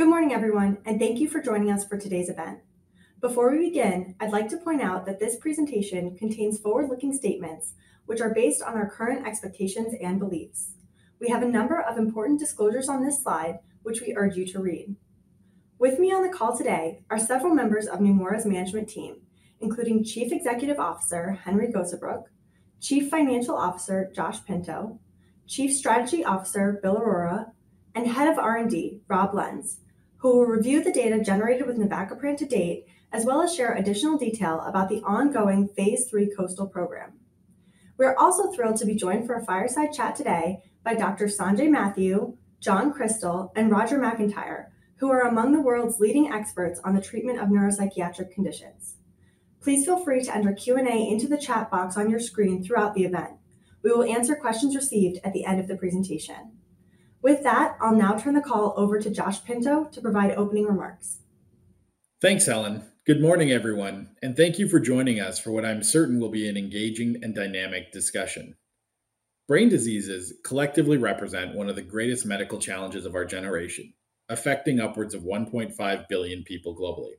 Good morning, everyone, and thank you for joining us for today's event. Before we begin, I'd like to point out that this presentation contains forward-looking statements which are based on our current expectations and beliefs. We have a number of important disclosures on this slide, which we urge you to read. With me on the call today are several members of Neumora's management team, including Chief Executive Officer, Henry Gosebruch, Chief Financial Officer, Josh Pinto, Chief Strategy Officer, Bill Aurora, and Head of R&D, Rob Lenz, who will review the data generated with navacaprant to date, as well as share additional detail about the ongoing phase III COASTAL Program. We are also thrilled to be joined for a fireside chat today by Dr. Sanjay Mathew, John Krystal, and Roger McIntyre, who are among the world's leading experts on the treatment of neuropsychiatric conditions. Please feel free to enter Q&A into the chat box on your screen throughout the event. We will answer questions received at the end of the presentation. With that, I'll now turn the call over to Josh Pinto to provide opening remarks. Thanks, Helen. Good morning, everyone, and thank you for joining us for what I'm certain will be an engaging and dynamic discussion. Brain diseases collectively represent one of the greatest medical challenges of our generation, affecting upwards of one point five billion people globally.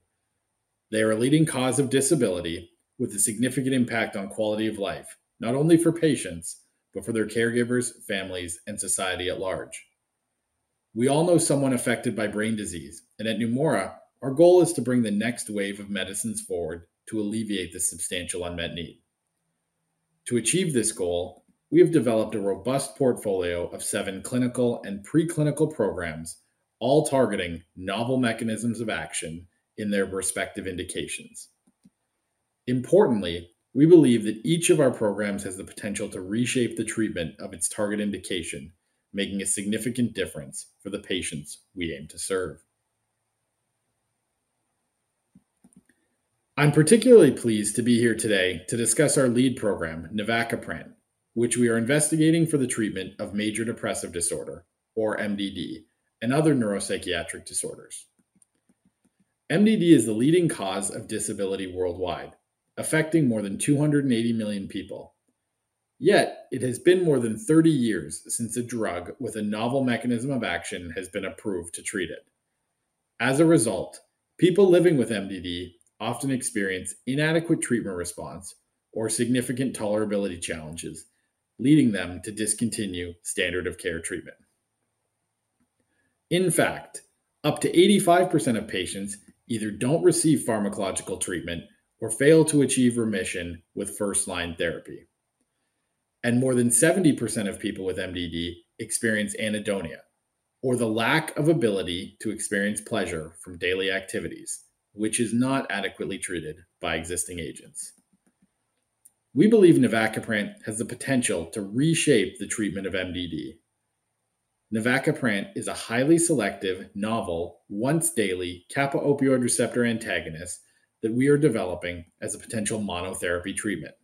They are a leading cause of disability, with a significant impact on quality of life, not only for patients, but for their caregivers, families, and society at large. We all know someone affected by brain disease, and at Neumora, our goal is to bring the next wave of medicines forward to alleviate this substantial unmet need. To achieve this goal, we have developed a robust portfolio of seven clinical and preclinical programs, all targeting novel mechanisms of action in their respective indications. Importantly, we believe that each of our programs has the potential to reshape the treatment of its target indication, making a significant difference for the patients we aim to serve. I'm particularly pleased to be here today to discuss our lead program, navacaprant, which we are investigating for the treatment of major depressive disorder, or MDD, and other neuropsychiatric disorders. MDD is the leading cause of disability worldwide, affecting more than 280 million people. Yet, it has been more than 30 years since a drug with a novel mechanism of action has been approved to treat it. As a result, people living with MDD often experience inadequate treatment response or significant tolerability challenges, leading them to discontinue standard of care treatment. In fact, up to 85% of patients either don't receive pharmacological treatment or fail to achieve remission with first-line therapy. More than 70% of people with MDD experience anhedonia, or the lack of ability to experience pleasure from daily activities, which is not adequately treated by existing agents. We believe navacaprant has the potential to reshape the treatment of MDD. Navacaprant is a highly selective, novel, once-daily kappa-opioid receptor antagonist that we are developing as a potential monotherapy treatment.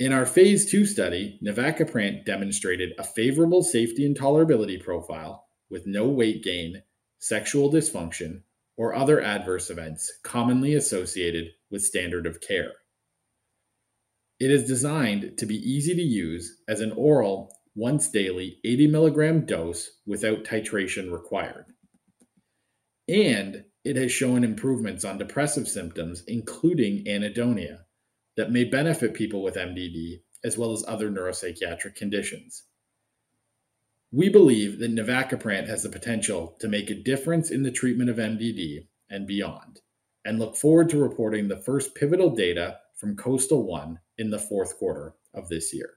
In our phase II study, navacaprant demonstrated a favorable safety and tolerability profile with no weight gain, sexual dysfunction, or other adverse events commonly associated with standard of care. It is designed to be easy to use as an oral, once-daily, 80 mg dose without titration required, and it has shown improvements on depressive symptoms, including anhedonia, that may benefit people with MDD as well as other neuropsychiatric conditions. We believe that navacaprant has the potential to make a difference in the treatment of MDD and beyond, and look forward to reporting the first pivotal data from COASTAL-1 in the fourth quarter of this year.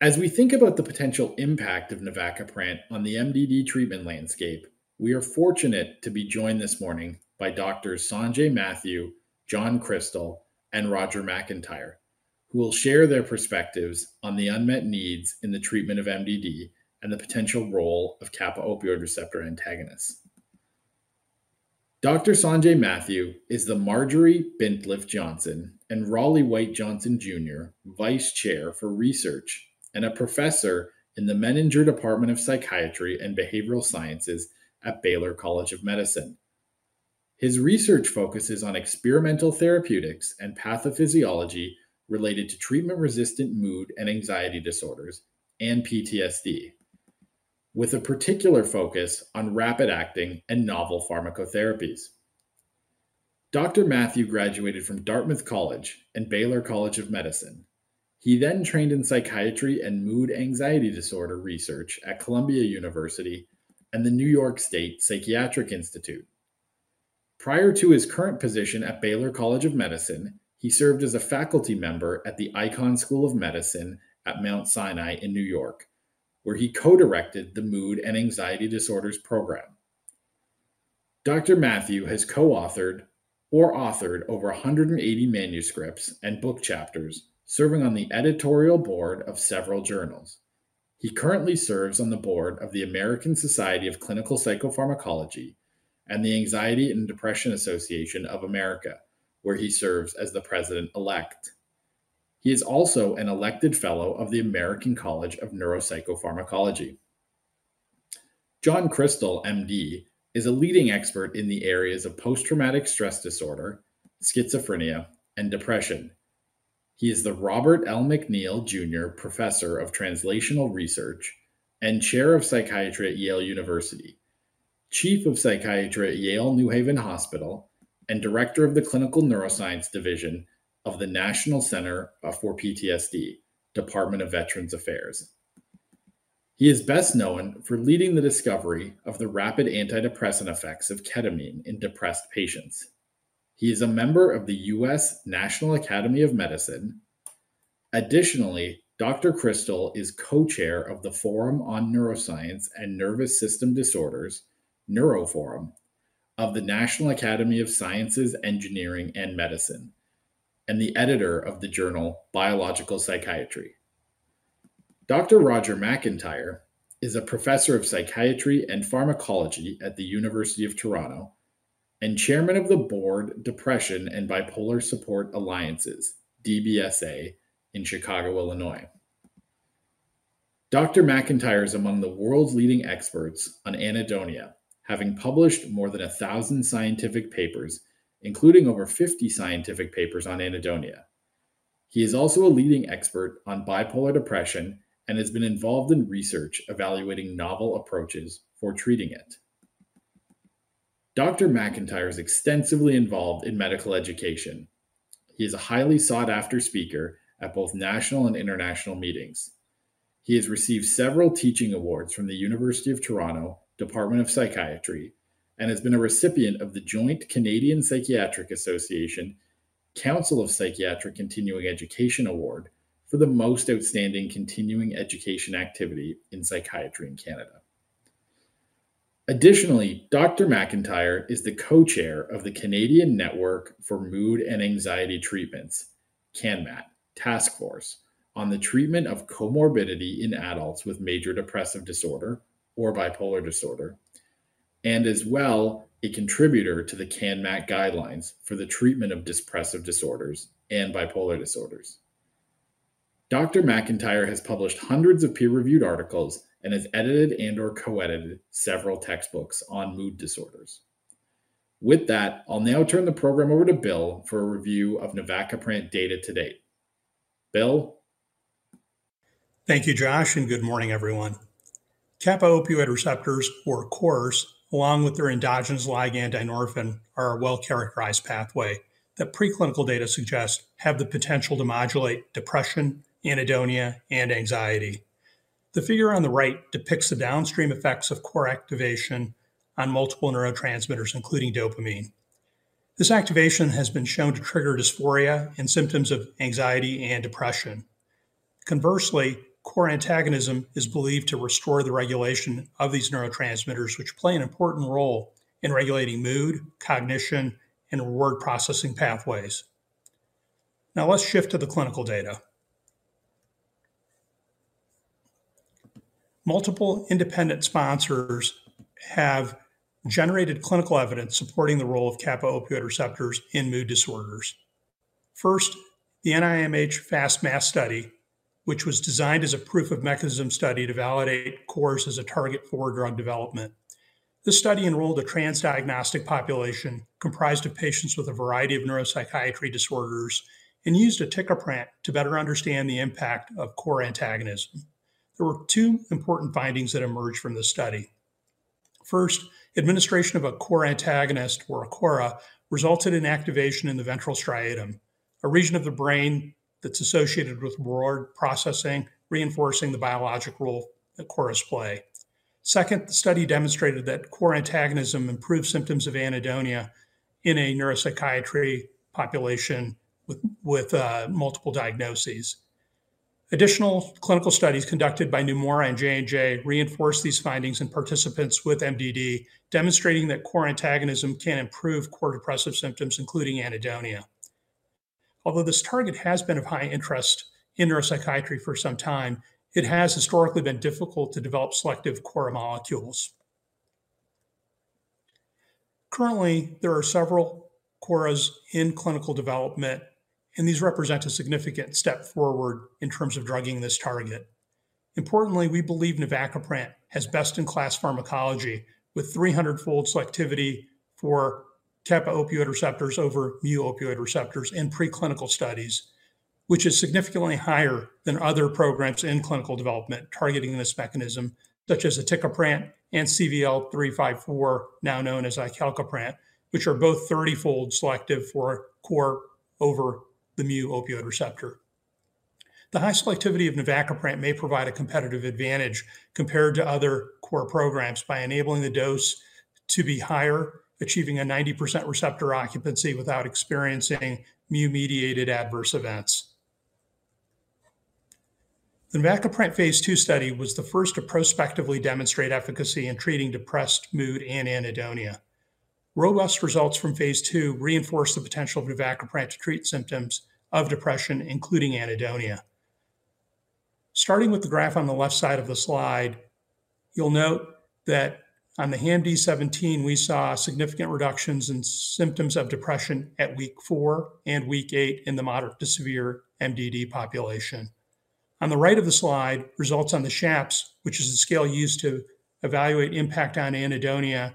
As we think about the potential impact of navacaprant on the MDD treatment landscape, we are fortunate to be joined this morning by Doctors Sanjay Mathew, John Krystal, and Roger McIntyre, who will share their perspectives on the unmet needs in the treatment of MDD and the potential role of kappa-opioid receptor antagonists. Dr. Sanjay Mathew is the Marjorie Bintliff Johnson and Raleigh White Johnson, Jr. Vice Chair for Research and a professor in the Menninger Department of Psychiatry and Behavioral Sciences at Baylor College of Medicine. His research focuses on experimental therapeutics and pathophysiology related to treatment-resistant mood and anxiety disorders and PTSD, with a particular focus on rapid-acting and novel pharmacotherapies. Dr. Mathew graduated from Dartmouth College and Baylor College of Medicine. He then trained in psychiatry and mood and anxiety disorder research at Columbia University and the New York State Psychiatric Institute. Prior to his current position at Baylor College of Medicine, he served as a faculty member at the Icahn School of Medicine at Mount Sinai in New York, where he co-directed the Mood and Anxiety Disorders Program. Dr. Mathew has co-authored or authored over 180 manuscripts and book chapters, serving on the editorial board of several journals. He currently serves on the board of the American Society of Clinical Psychopharmacology and the Anxiety and Depression Association of America, where he serves as the president-elect. He is also an elected fellow of the American College of Neuropsychopharmacology.... John Krystal, MD, is a leading expert in the areas of post-traumatic stress disorder, schizophrenia, and depression. He is the Robert L. McNeil Jr. Professor of Translational Research and Chair of Psychiatry at Yale University, Chief of Psychiatry at Yale New Haven Hospital, and Director of the Clinical Neuroscience Division of the National Center for PTSD, Department of Veterans Affairs. He is best known for leading the discovery of the rapid antidepressant effects of ketamine in depressed patients. He is a member of the U.S. National Academy of Medicine. Additionally, Dr. Krystal is co-chair of the Forum on Neuroscience and Nervous System Disorders, NeuroForum, of the National Academies of Sciences, Engineering, and Medicine, and the editor of the journal Biological Psychiatry. Dr. Roger McIntyre is a professor of psychiatry and pharmacology at the University of Toronto and chairman of the board, Depression and Bipolar Support Alliance, DBSA, in Chicago, Illinois. Dr. McIntyre is among the world's leading experts on anhedonia, having published more than a thousand scientific papers, including over fifty scientific papers on anhedonia. He is also a leading expert on bipolar depression and has been involved in research evaluating novel approaches for treating it. Dr. McIntyre is extensively involved in medical education. He is a highly sought-after speaker at both national and international meetings. He has received several teaching awards from the University of Toronto, Department of Psychiatry, and has been a recipient of the Joint Canadian Psychiatric Association Council of Psychiatric Continuing Education Award for the Most Outstanding Continuing Education Activity in Psychiatry in Canada. Additionally, Dr. McIntyre is the co-chair of the Canadian Network for Mood and Anxiety Treatments, CANMAT Task Force on the treatment of comorbidity in adults with major depressive disorder or bipolar disorder, and as well, a contributor to the CANMAT Guidelines for the treatment of depressive disorders and bipolar disorders. Dr. McIntyre has published hundreds of peer-reviewed articles and has edited and/or co-edited several textbooks on mood disorders. With that, I'll now turn the program over to Bill for a review of navacaprant data to date. Bill? Thank you, Josh, and good morning, everyone. Kappa-opioid receptors, or KORs, along with their endogenous ligand dynorphin, are a well-characterized pathway that preclinical data suggests have the potential to modulate depression, anhedonia, and anxiety. The figure on the right depicts the downstream effects of KOR activation on multiple neurotransmitters, including dopamine. This activation has been shown to trigger dysphoria and symptoms of anxiety and depression. Conversely, KOR antagonism is believed to restore the regulation of these neurotransmitters, which play an important role in regulating mood, cognition, and reward processing pathways. Now, let's shift to the clinical data. Multiple independent sponsors have generated clinical evidence supporting the role of kappa-opioid receptors in mood disorders. First, the NIMH FAST-MAS study, which was designed as a proof of mechanism study to validate KORs as a target for drug development. This study enrolled a transdiagnostic population comprised of patients with a variety of neuropsychiatric disorders and used aticaprant to better understand the impact of KOR antagonism. There were two important findings that emerged from this study. First, administration of a KOR antagonist or a KORA resulted in activation in the ventral striatum, a region of the brain that's associated with reward processing, reinforcing the biological role that KORs play. Second, the study demonstrated that KOR antagonism improved symptoms of anhedonia in a neuropsychiatric population with multiple diagnoses. Additional clinical studies conducted by Neumora and J&J reinforced these findings in participants with MDD, demonstrating that KOR antagonism can improve core depressive symptoms, including anhedonia. Although this target has been of high interest in neuropsychiatric for some time, it has historically been difficult to develop selective KORA molecules. Currently, there are several KORAs in clinical development, and these represent a significant step forward in terms of drugging this target. Importantly, we believe navacaprant has best-in-class pharmacology with three hundred-fold selectivity for kappa-opioid receptors over mu-opioid receptors in preclinical studies, which is significantly higher than other programs in clinical development targeting this mechanism, such as aticaprant and CVL-354, now known as icalcaprant, which are both 30-fold selective for KOR over the mu-opioid receptor. The high selectivity of navacaprant may provide a competitive advantage compared to other KOR programs by enabling the dose to be higher, achieving a 90% receptor occupancy without experiencing mu-mediated adverse events. The navacaprant phase II study was the first to prospectively demonstrate efficacy in treating depressed mood and anhedonia. Robust results from phase II reinforced the potential of navacaprant to treat symptoms of depression, including anhedonia. Starting with the graph on the left side of the slide, you'll note that on the HAM-D17, we saw significant reductions in symptoms of depression at week four and week eight in the moderate to severe MDD population. On the right of the slide, results on the SHAPS, which is the scale used to evaluate impact on anhedonia.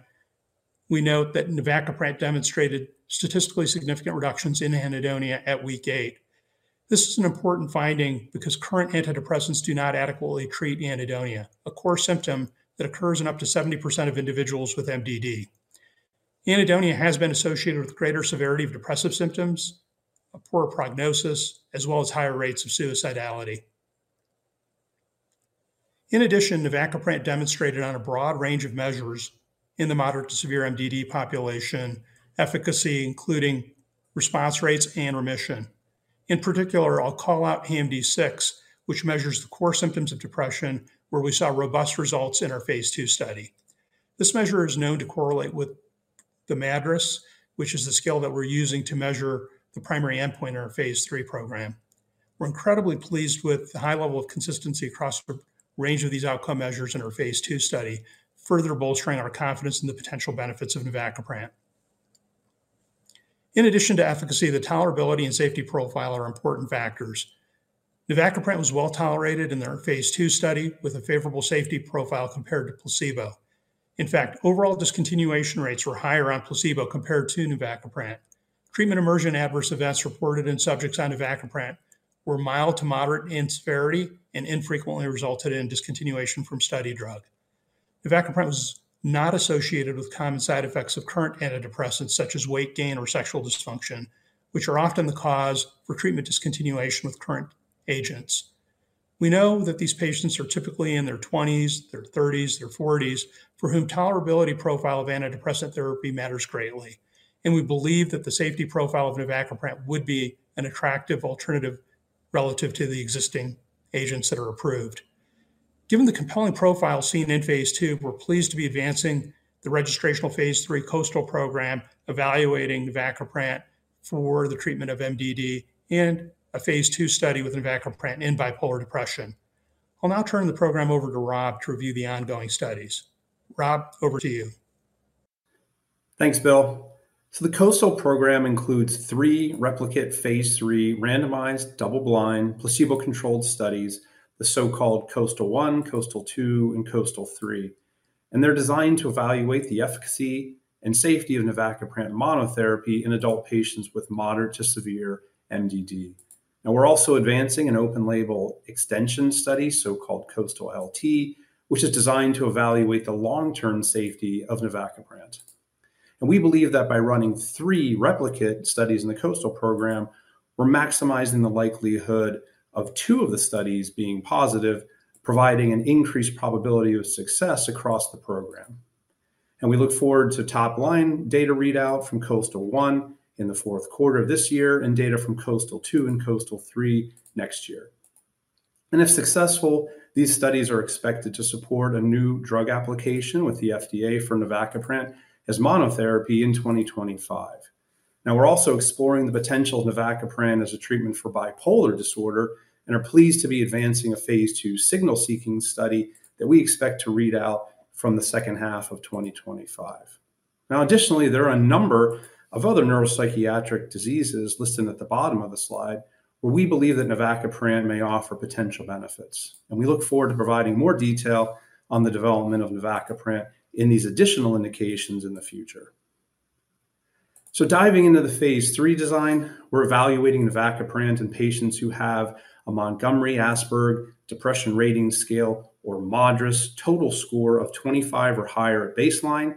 We note that navacaprant demonstrated statistically significant reductions in anhedonia at week eight. This is an important finding because current antidepressants do not adequately treat anhedonia, a core symptom that occurs in up to 70% of individuals with MDD. Anhedonia has been associated with greater severity of depressive symptoms, a poor prognosis, as well as higher rates of suicidality. In addition, navacaprant demonstrated on a broad range of measures in the moderate to severe MDD population, efficacy, including response rates and remission. In particular, I'll call out HAM-D6, which measures the core symptoms of depression, where we saw robust results in our phase II study. This measure is known to correlate with the MADRS, which is the scale that we're using to measure the primary endpoint in our phase III program. We're incredibly pleased with the high level of consistency across the range of these outcome measures in our phase II study, further bolstering our confidence in the potential benefits of navacaprant. In addition to efficacy, the tolerability and safety profile are important factors. Navacaprant was well tolerated in our phase II study with a favorable safety profile compared to placebo. In fact, overall discontinuation rates were higher on placebo compared to navacaprant. Treatment-emergent adverse events reported in subjects on navacaprant were mild to moderate in severity and infrequently resulted in discontinuation from study drug. Navacaprant was not associated with common side effects of current antidepressants, such as weight gain or sexual dysfunction, which are often the cause for treatment discontinuation with current agents. We know that these patients are typically in their 20s, their 30s, their 40s, for whom tolerability profile of antidepressant therapy matters greatly. And we believe that the safety profile of navacaprant would be an attractive alternative relative to the existing agents that are approved. Given the compelling profile seen in phase II, we're pleased to be advancing the registrational phase III COASTAL Program, evaluating navacaprant for the treatment of MDD in a phase II study with navacaprant in bipolar depression. I'll now turn the program over to Rob to review the ongoing studies. Rob, over to you. Thanks, Bill. So the COASTAL Program includes three replicate phase III randomized, double-blind, placebo-controlled studies, the so-called COASTAL-1, COASTAL-2, and COASTAL-3. And they're designed to evaluate the efficacy and safety of navacaprant monotherapy in adult patients with moderate to severe MDD. Now, we're also advancing an open-label extension study, so-called COASTAL-LT, which is designed to evaluate the long-term safety of navacaprant. And we believe that by running three replicate studies in the COASTAL Program, we're maximizing the likelihood of two of the studies being positive, providing an increased probability of success across the program. And we look forward to top-line data readout from COASTAL-1 in the fourth quarter of this year and data from COASTAL-2 and COASTAL-3 next year. And if successful, these studies are expected to support a new drug application with the FDA for navacaprant as monotherapy in 2025. Now, we're also exploring the potential of navacaprant as a treatment for bipolar disorder and are pleased to be advancing a phase II signal-seeking study that we expect to read out from the second half of 2025. Now, additionally, there are a number of other neuropsychiatric diseases listed at the bottom of the slide, where we believe that navacaprant may offer potential benefits, and we look forward to providing more detail on the development of navacaprant in these additional indications in the future. Diving into the phase III design, we're evaluating navacaprant in patients who have a Montgomery-Åsberg Depression Rating Scale, or MADRS, total score of 25 or higher at baseline.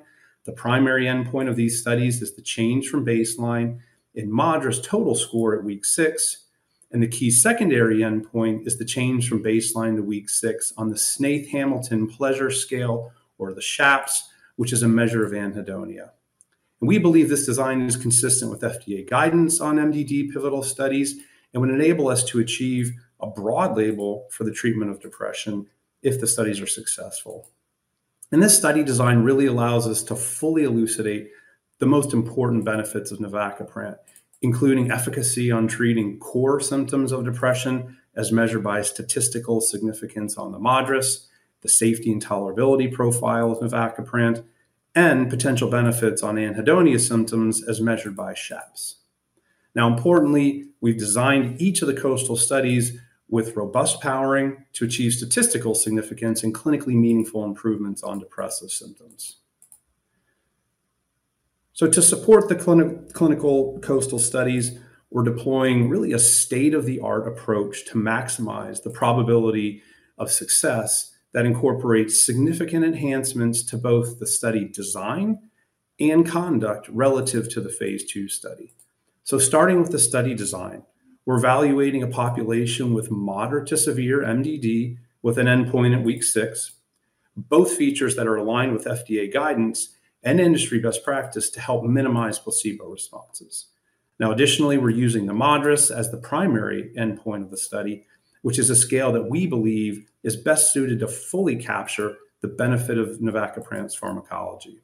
The primary endpoint of these studies is the change from baseline in MADRS total score at week six, and the key secondary endpoint is the change from baseline to week six on the Snaith-Hamilton Pleasure Scale, or the SHAPS, which is a measure of anhedonia. We believe this design is consistent with FDA guidance on MDD pivotal studies and would enable us to achieve a broad label for the treatment of depression if the studies are successful. This study design really allows us to fully elucidate the most important benefits of navacaprant, including efficacy on treating core symptoms of depression as measured by statistical significance on the MADRS, the safety and tolerability profile of navacaprant, and potential benefits on anhedonia symptoms as measured by SHAPS. Now, importantly, we've designed each of the COASTAL studies with robust powering to achieve statistical significance and clinically meaningful improvements on depressive symptoms. So to support the clinical COASTAL studies, we're deploying really a state-of-the-art approach to maximize the probability of success that incorporates significant enhancements to both the study design and conduct relative to the phase II study. So starting with the study design, we're evaluating a population with moderate to severe MDD with an endpoint at week six, both features that are aligned with FDA guidance and industry best practice to help minimize placebo responses. Now, additionally, we're using the MADRS as the primary endpoint of the study, which is a scale that we believe is best suited to fully capture the benefit of navacaprant's pharmacology.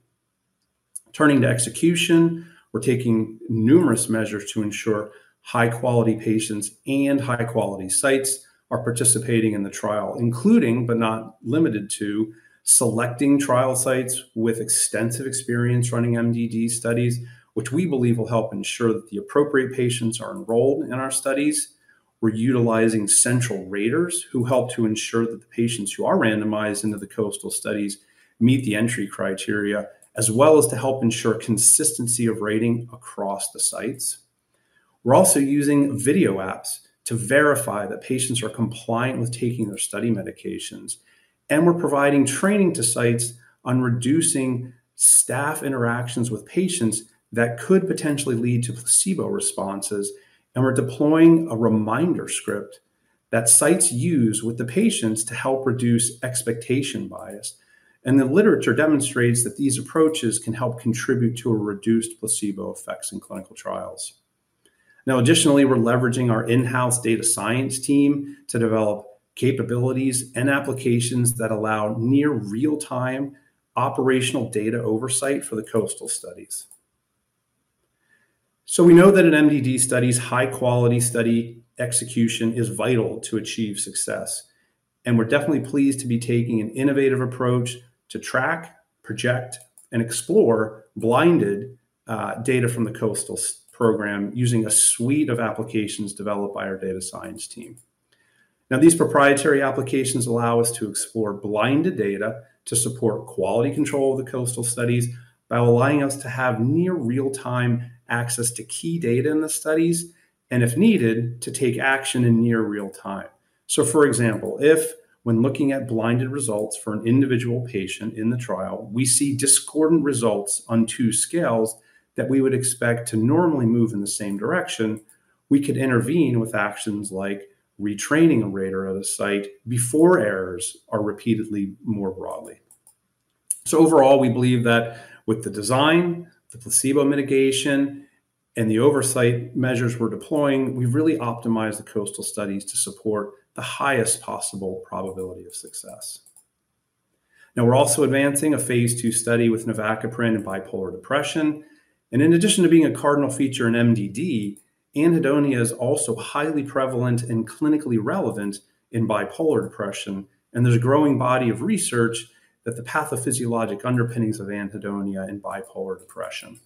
Turning to execution, we're taking numerous measures to ensure high-quality patients and high-quality sites are participating in the trial, including but not limited to selecting trial sites with extensive experience running MDD studies, which we believe will help ensure that the appropriate patients are enrolled in our studies. We're utilizing central raters who help to ensure that the patients who are randomized into the COASTAL studies meet the entry criteria, as well as to help ensure consistency of rating across the sites. We're also using video apps to verify that patients are compliant with taking their study medications, and we're providing training to sites on reducing staff interactions with patients that could potentially lead to placebo responses, and we're deploying a reminder script that sites use with the patients to help reduce expectation bias. The literature demonstrates that these approaches can help contribute to a reduced placebo effects in clinical trials. Now, additionally, we're leveraging our in-house data science team to develop capabilities and applications that allow near real-time operational data oversight for the COASTAL studies. We know that in MDD studies, high-quality study execution is vital to achieve success, and we're definitely pleased to be taking an innovative approach to track, project, and explore blinded data from the COASTAL Program using a suite of applications developed by our data science team. Now, these proprietary applications allow us to explore blinded data to support quality control of the COASTAL studies by allowing us to have near real-time access to key data in the studies and, if needed, to take action in near real time. So for example, if when looking at blinded results for an individual patient in the trial, we see discordant results on two scales that we would expect to normally move in the same direction, we could intervene with actions like retraining a rater at a site before errors are repeatedly more broadly. So overall, we believe that with the design, the placebo mitigation, and the oversight measures we're deploying, we've really optimized the COASTAL studies to support the highest possible probability of success. Now, we're also advancing a phase II study with navacaprant in bipolar depression. And in addition to being a cardinal feature in MDD, anhedonia is also highly prevalent and clinically relevant in bipolar depression, and there's a growing body of research that the pathophysiologic underpinnings of anhedonia in bipolar depression.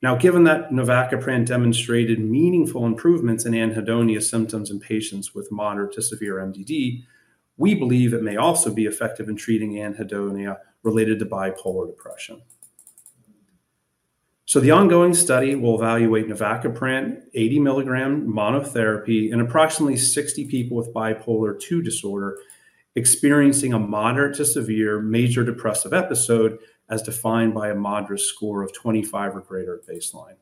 Now, given that navacaprant demonstrated meaningful improvements in anhedonia symptoms in patients with moderate to severe MDD, we believe it may also be effective in treating anhedonia related to bipolar depression. So the ongoing study will evaluate navacaprant 80 mg monotherapy in approximately 60 people with bipolar II disorder, experiencing a moderate to severe major depressive episode, as defined by a MADRS score of 25 or greater at baseline.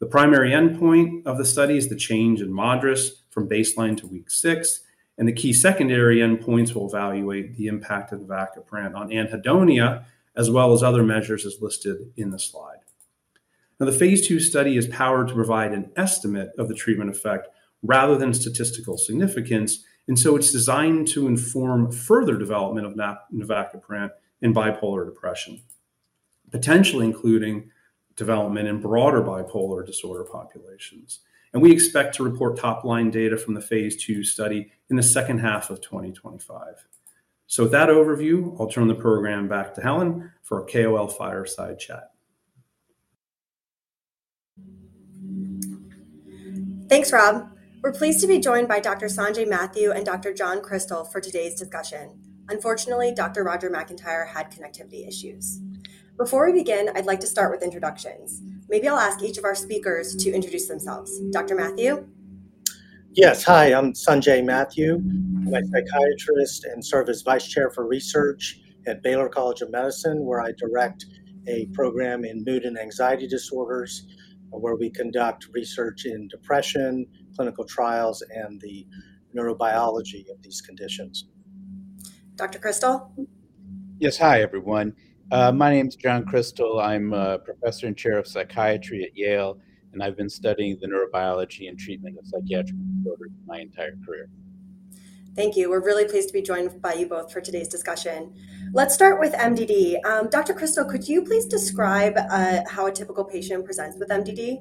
The primary endpoint of the study is the change in MADRS from baseline to week 6, and the key secondary endpoints will evaluate the impact of navacaprant on anhedonia, as well as other measures as listed in the slide. Now, the phase II study is powered to provide an estimate of the treatment effect rather than statistical significance, and so it's designed to inform further development of navacaprant in bipolar depression, potentially including development in broader bipolar disorder populations. We expect to report top-line data from the phase II study in the second half of 2025. With that overview, I'll turn the program back to Helen for a KOL Fireside Chat. Thanks, Rob. We're pleased to be joined by Dr. Sanjay Mathew and Dr. John Krystal for today's discussion. Unfortunately, Dr. Roger McIntyre had connectivity issues. Before we begin, I'd like to start with introductions. Maybe I'll ask each of our speakers to introduce themselves. Dr. Mathew? Yes. Hi, I'm Sanjay Mathew. I'm a psychiatrist and serve as Vice Chair for Research at Baylor College of Medicine, where I direct a program in mood and anxiety disorders, where we conduct research in depression, clinical trials, and the neurobiology of these conditions. Dr. Krystal? Yes. Hi, everyone. My name is John Krystal. I'm a professor and chair of psychiatry at Yale, and I've been studying the neurobiology and treatment of psychiatric disorders my entire career. Thank you. We're really pleased to be joined by you both for today's discussion. Let's start with MDD. Dr. Krystal, could you please describe how a typical patient presents with MDD?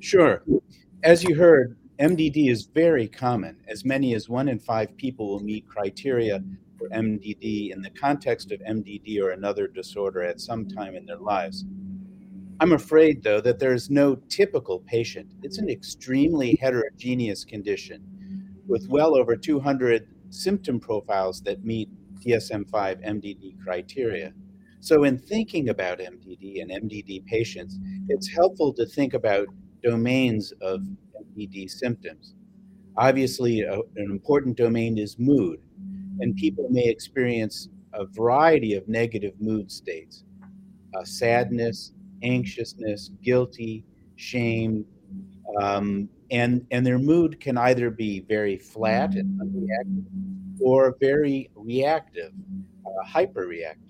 Sure. As you heard, MDD is very common. As many as one in five people will meet criteria for MDD in the context of MDD or another disorder at some time in their lives. I'm afraid, though, that there is no typical patient. It's an extremely heterogeneous condition with well over two hundred symptom profiles that meet DSM-5 MDD criteria. So in thinking about MDD and MDD patients, it's helpful to think about domains of MDD symptoms. Obviously, an important domain is mood, and people may experience a variety of negative mood states, sadness, anxiousness, guilty, shame, and their mood can either be very flat and unreactive or very reactive, hyperreactive.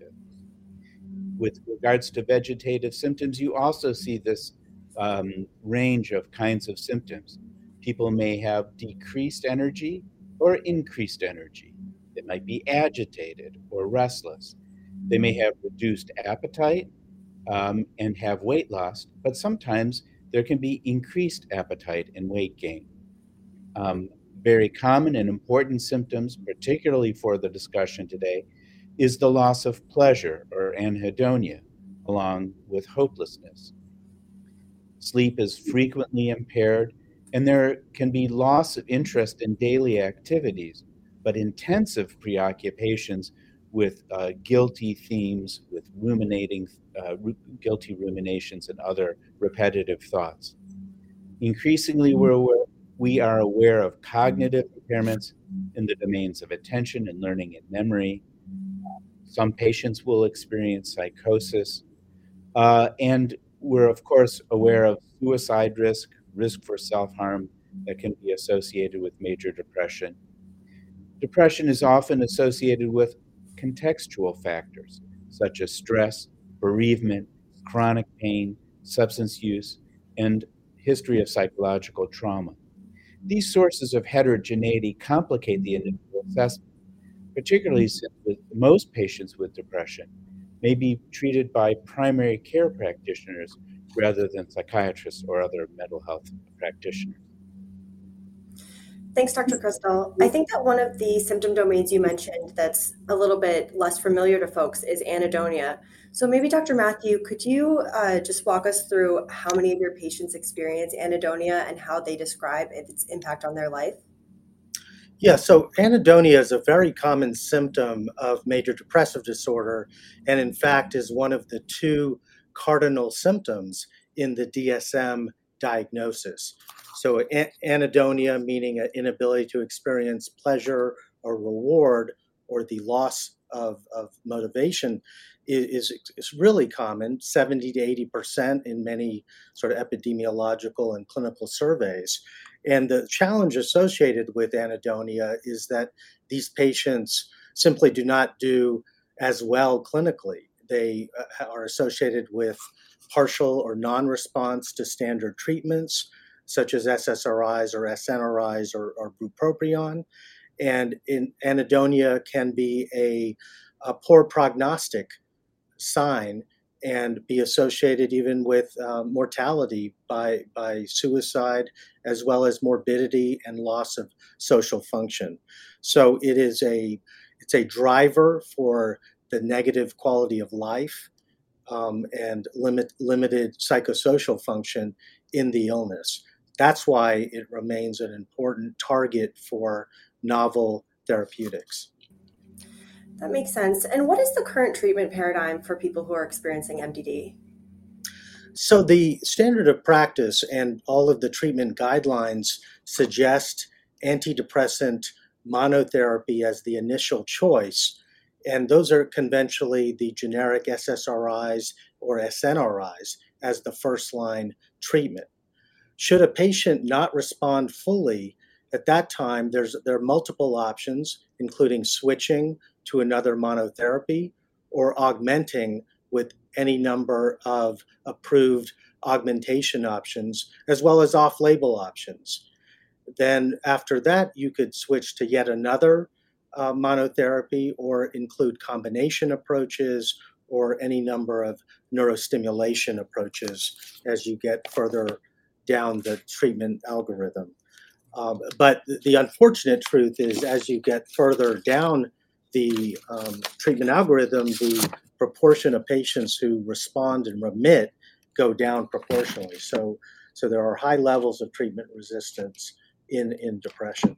With regards to vegetative symptoms, you also see this range of kinds of symptoms. People may have decreased energy or increased energy. They might be agitated or restless. They may have reduced appetite, and have weight loss, but sometimes there can be increased appetite and weight gain. Very common and important symptoms, particularly for the discussion today, is the loss of pleasure or anhedonia along with hopelessness. Sleep is frequently impaired, and there can be loss of interest in daily activities, but intensive preoccupations with guilty themes, with ruminating guilty ruminations and other repetitive thoughts. Increasingly, we're aware of cognitive impairments in the domains of attention and learning and memory. Some patients will experience psychosis. We're, of course, aware of suicide risk for self-harm that can be associated with major depression. Depression is often associated with contextual factors such as stress, bereavement, chronic pain, substance use, and history of psychological trauma. These sources of heterogeneity complicate the individual assessment, particularly since with most patients with depression may be treated by primary care practitioners rather than psychiatrists or other mental health practitioners. Thanks, Dr. Krystal. I think that one of the symptom domains you mentioned that's a little bit less familiar to folks is anhedonia. So maybe Dr. Mathew, could you just walk us through how many of your patients experience anhedonia and how they describe its impact on their life? Yeah. So anhedonia is a very common symptom of major depressive disorder, and in fact, is one of the two cardinal symptoms in the DSM diagnosis. So anhedonia, meaning an inability to experience pleasure or reward, or the loss of motivation, is really common, 70%-80% in many sort of epidemiological and clinical surveys. And the challenge associated with anhedonia is that these patients simply do not do as well clinically. They are associated with partial or non-response to standard treatments, such as SSRIs or SNRIs or bupropion. And anhedonia can be a poor prognostic sign and be associated even with mortality by suicide, as well as morbidity and loss of social function. So it is a driver for the negative quality of life and limited psychosocial function in the illness. That's why it remains an important target for novel therapeutics. That makes sense. And what is the current treatment paradigm for people who are experiencing MDD? The standard of practice and all of the treatment guidelines suggest antidepressant monotherapy as the initial choice, and those are conventionally the generic SSRIs or SNRIs as the first-line treatment. Should a patient not respond fully, at that time, there are multiple options, including switching to another monotherapy or augmenting with any number of approved augmentation options, as well as off-label options. Then after that, you could switch to yet another monotherapy or include combination approaches or any number of neurostimulation approaches as you get further down the treatment algorithm. But the unfortunate truth is, as you get further down the treatment algorithm, the proportion of patients who respond and remit go down proportionally. There are high levels of treatment resistance in depression.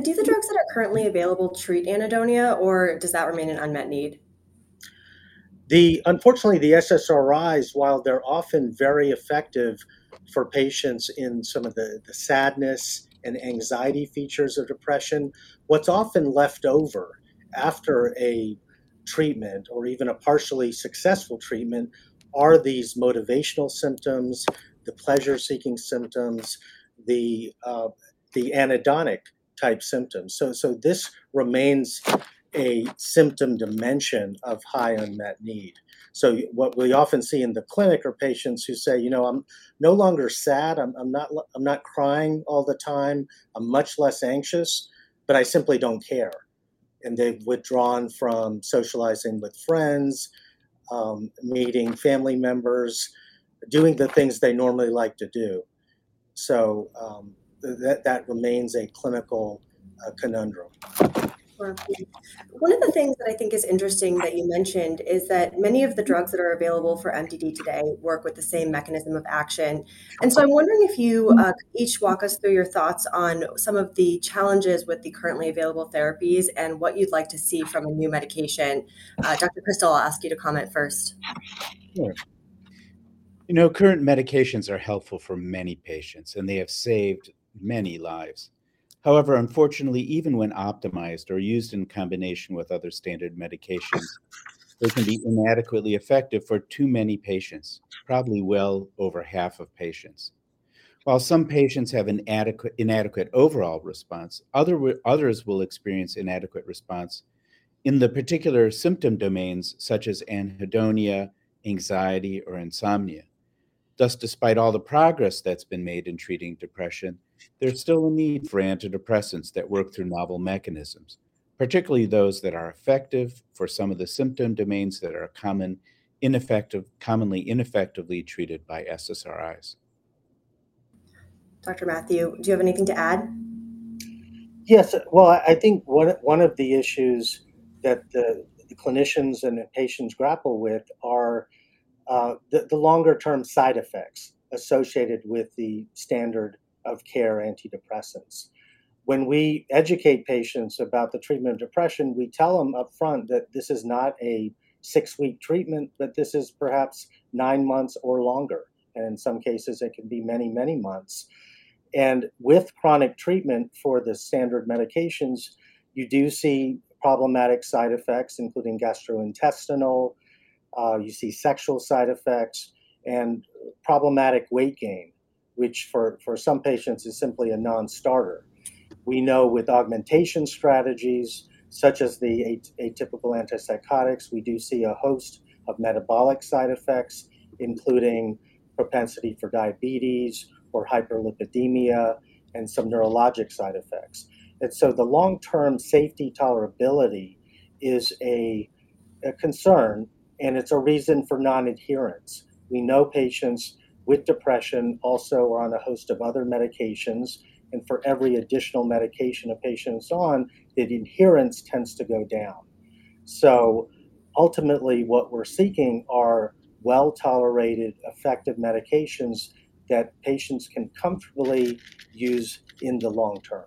Do the drugs that are currently available treat anhedonia, or does that remain an unmet need? Unfortunately, the SSRIs, while they're often very effective for patients in some of the, the sadness and anxiety features of depression, what's often left over after a treatment or even a partially successful treatment are these motivational symptoms, the pleasure-seeking symptoms, the anhedonic-type symptoms. So, so this remains a symptom dimension of high unmet need. So what we often see in the clinic are patients who say, "You know, I'm no longer sad. I'm not crying all the time. I'm much less anxious, but I simply don't care," and they've withdrawn from socializing with friends, meeting family members, doing the things they normally like to do. So, that remains a clinical conundrum. One of the things that I think is interesting that you mentioned is that many of the drugs that are available for MDD today work with the same mechanism of action. And so I'm wondering if you could each walk us through your thoughts on some of the challenges with the currently available therapies and what you'd like to see from a new medication. Dr. Krystal, I'll ask you to comment first. Sure. You know, current medications are helpful for many patients, and they have saved many lives. However, unfortunately, even when optimized or used in combination with other standard medications, they can be inadequately effective for too many patients, probably well over half of patients. While some patients have an inadequate overall response, others will experience inadequate response in the particular symptom domains such as anhedonia, anxiety, or insomnia. Thus, despite all the progress that's been made in treating depression, there's still a need for antidepressants that work through novel mechanisms, particularly those that are effective for some of the symptom domains that are common, commonly ineffectively treated by SSRIs. ...Dr. Mathew, do you have anything to add? Yes. Well, I think one of the issues that the clinicians and the patients grapple with are the longer-term side effects associated with the standard of care antidepressants. When we educate patients about the treatment of depression, we tell them upfront that this is not a six-week treatment, but this is perhaps nine months or longer, and in some cases, it can be many, many months. And with chronic treatment for the standard medications, you do see problematic side effects, including gastrointestinal, you see sexual side effects and problematic weight gain, which for some patients is simply a non-starter. We know with augmentation strategies, such as the atypical antipsychotics, we do see a host of metabolic side effects, including propensity for diabetes or hyperlipidemia and some neurologic side effects. And so the long-term safety tolerability is a concern, and it's a reason for non-adherence. We know patients with depression also are on a host of other medications, and for every additional medication a patient's on, the adherence tends to go down. So ultimately, what we're seeking are well-tolerated, effective medications that patients can comfortably use in the long term.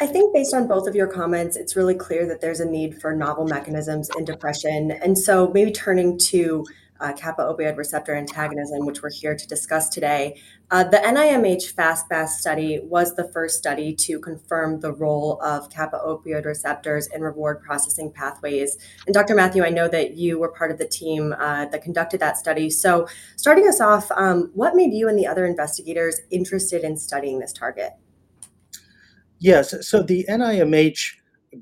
I think based on both of your comments, it's really clear that there's a need for novel mechanisms in depression. And so maybe turning to kappa-opioid receptor antagonism, which we're here to discuss today. The NIMH FAST-MAS study was the first study to confirm the role of kappa-opioid receptors in reward processing pathways. And Dr. Mathew, I know that you were part of the team that conducted that study. So starting us off, what made you and the other investigators interested in studying this target? Yes, so the NIMH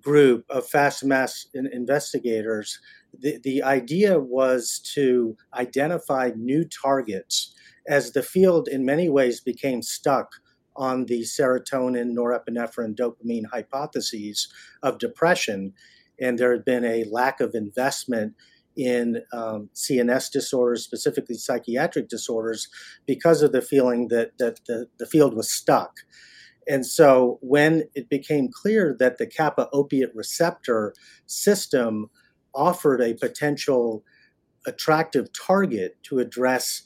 group of FAST-MAS investigators, the idea was to identify new targets as the field, in many ways, became stuck on the serotonin, norepinephrine, dopamine hypotheses of depression, and there had been a lack of investment in CNS disorders, specifically psychiatric disorders, because of the feeling that the field was stuck, and so when it became clear that the kappa-opioid receptor system offered a potential attractive target to address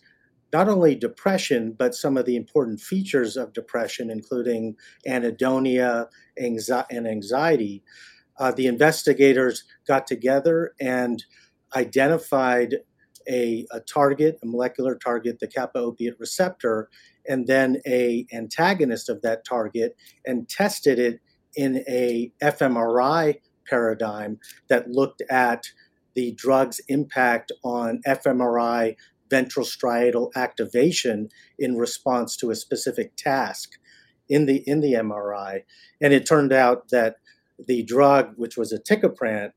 not only depression but some of the important features of depression, including anhedonia and anxiety, the investigators got together and identified a target, a molecular target, the kappa-opioid receptor, and then an antagonist of that target, and tested it in an fMRI paradigm that looked at the drug's impact on fMRI ventral striatal activation in response to a specific task in the MRI. It turned out that the drug, which was aticaprant,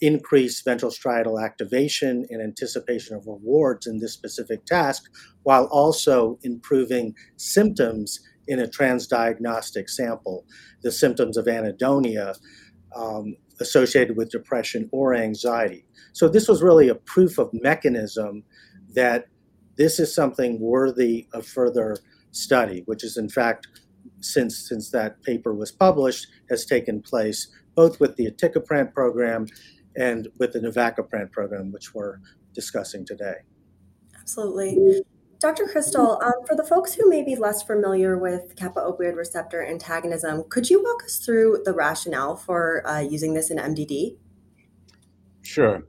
increased ventral striatal activation in anticipation of rewards in this specific task, while also improving symptoms in a transdiagnostic sample, the symptoms of anhedonia, associated with depression or anxiety. This was really a proof of mechanism that this is something worthy of further study, which is, in fact, since that paper was published, has taken place both with the aticaprant program and with the navacaprant program, which we're discussing today. Absolutely. Dr. Krystal, for the folks who may be less familiar with kappa-opioid receptor antagonism, could you walk us through the rationale for using this in MDD? Sure.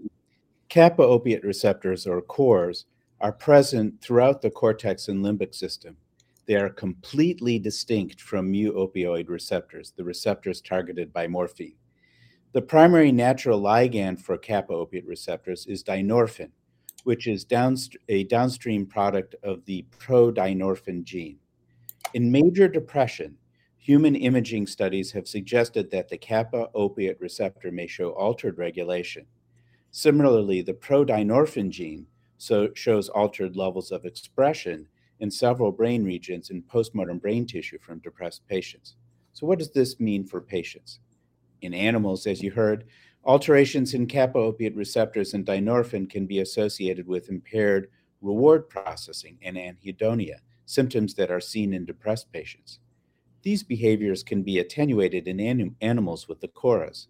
Kappa-opioid receptors, or KORs, are present throughout the cortex and limbic system. They are completely distinct from mu-opioid receptors, the receptors targeted by morphine. The primary natural ligand for kappa-opioid receptors is dynorphin, which is a downstream product of the prodynorphin gene. In major depression, human imaging studies have suggested that the kappa-opioid receptor may show altered regulation. Similarly, the prodynorphin gene shows altered levels of expression in several brain regions in postmortem brain tissue from depressed patients. So what does this mean for patients? In animals, as you heard, alterations in kappa-opioid receptors and dynorphin can be associated with impaired reward processing and anhedonia, symptoms that are seen in depressed patients. These behaviors can be attenuated in animals with the KORs.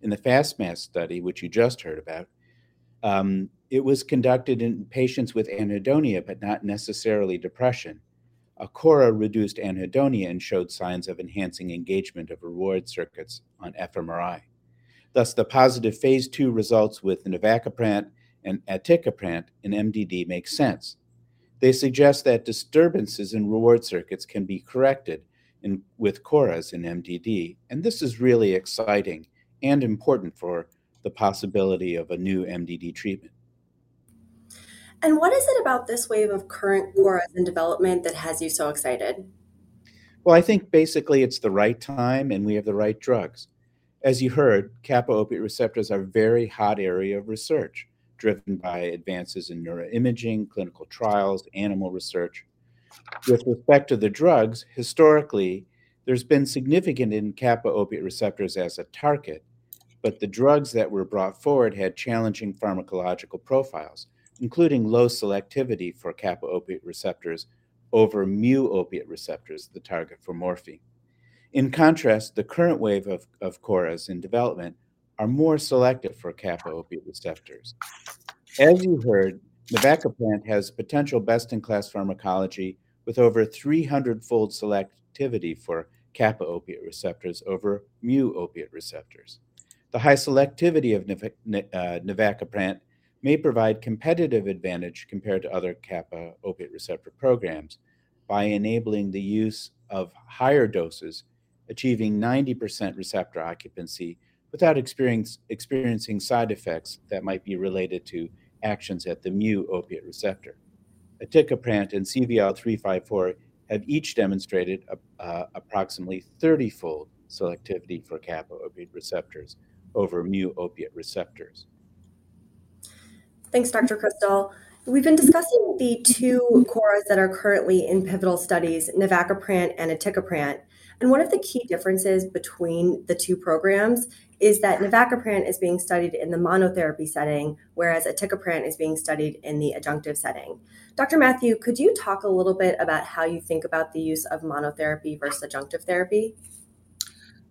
In the FAST-MAS study, which you just heard about, it was conducted in patients with anhedonia, but not necessarily depression. A KOR reduced anhedonia and showed signs of enhancing engagement of reward circuits on fMRI. Thus, the positive phase II results with navacaprant and aticaprant in MDD makes sense. They suggest that disturbances in reward circuits can be corrected with KORs in MDD, and this is really exciting and important for the possibility of a new MDD treatment. What is it about this wave of current KORs in development that has you so excited? I think basically it's the right time, and we have the right drugs. As you heard, kappa-opioid receptors are a very hot area of research, driven by advances in neuroimaging, clinical trials, animal research. With respect to the drugs, historically, there's been significant in kappa-opioid receptors as a target. But the drugs that were brought forward had challenging pharmacological profiles, including low selectivity for kappa-opioid receptors over mu-opioid receptors, the target for morphine. In contrast, the current wave of KORAs in development are more selective for kappa-opioid receptors. As you heard, navacaprant has potential best-in-class pharmacology with over 300-fold selectivity for kappa-opioid receptors over mu-opioid receptors. The high selectivity of navacaprant may provide competitive advantage compared to other kappa-opioid receptor programs by enabling the use of higher doses, achieving 90% receptor occupancy without experiencing side effects that might be related to actions at the mu-opioid receptor. Aticaprant and CVL-354 have each demonstrated approximately 30-fold selectivity for kappa-opioid receptors over mu-opioid receptors. Thanks, Dr. Krystal. We've been discussing the two KORAs that are currently in pivotal studies, navacaprant and aticaprant. And one of the key differences between the two programs is that navacaprant is being studied in the monotherapy setting, whereas aticaprant is being studied in the adjunctive setting. Dr. Mathew, could you talk a little bit about how you think about the use of monotherapy versus adjunctive therapy?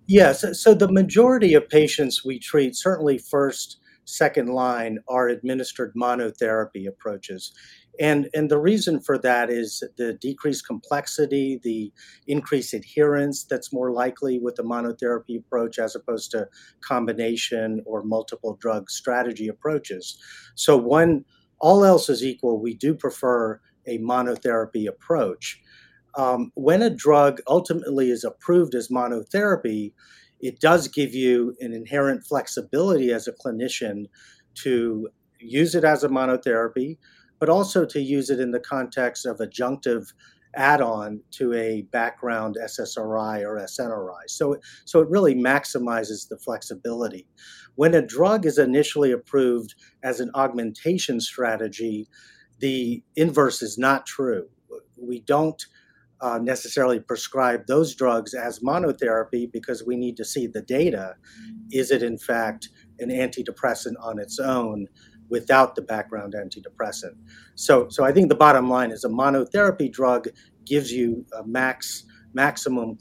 Yes. So the majority of patients we treat, certainly first, second line, are administered monotherapy approaches. And the reason for that is the decreased complexity, the increased adherence that's more likely with the monotherapy approach, as opposed to combination or multiple drug strategy approaches. So when all else is equal, we do prefer a monotherapy approach. When a drug ultimately is approved as monotherapy, it does give you an inherent flexibility as a clinician to use it as a monotherapy, but also to use it in the context of adjunctive add-on to a background SSRI or SNRI. So it really maximizes the flexibility. When a drug is initially approved as an augmentation strategy, the inverse is not true. We don't necessarily prescribe those drugs as monotherapy because we need to see the data. Is it, in fact, an antidepressant on its own without the background antidepressant? So, I think the bottom line is a monotherapy drug gives you a maximum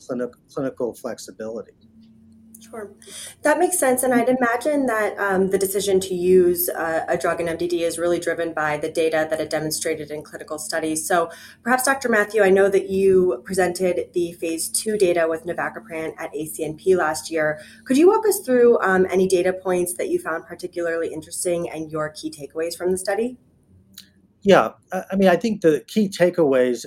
clinical flexibility. Sure. That makes sense, and I'd imagine that, the decision to use a drug in MDD is really driven by the data that it demonstrated in clinical studies. So perhaps, Dr. Mathew, I know that you presented the phase II data with navacaprant at ACNP last year. Could you walk us through any data points that you found particularly interesting and your key takeaways from the study? Yeah. I mean, I think the key takeaways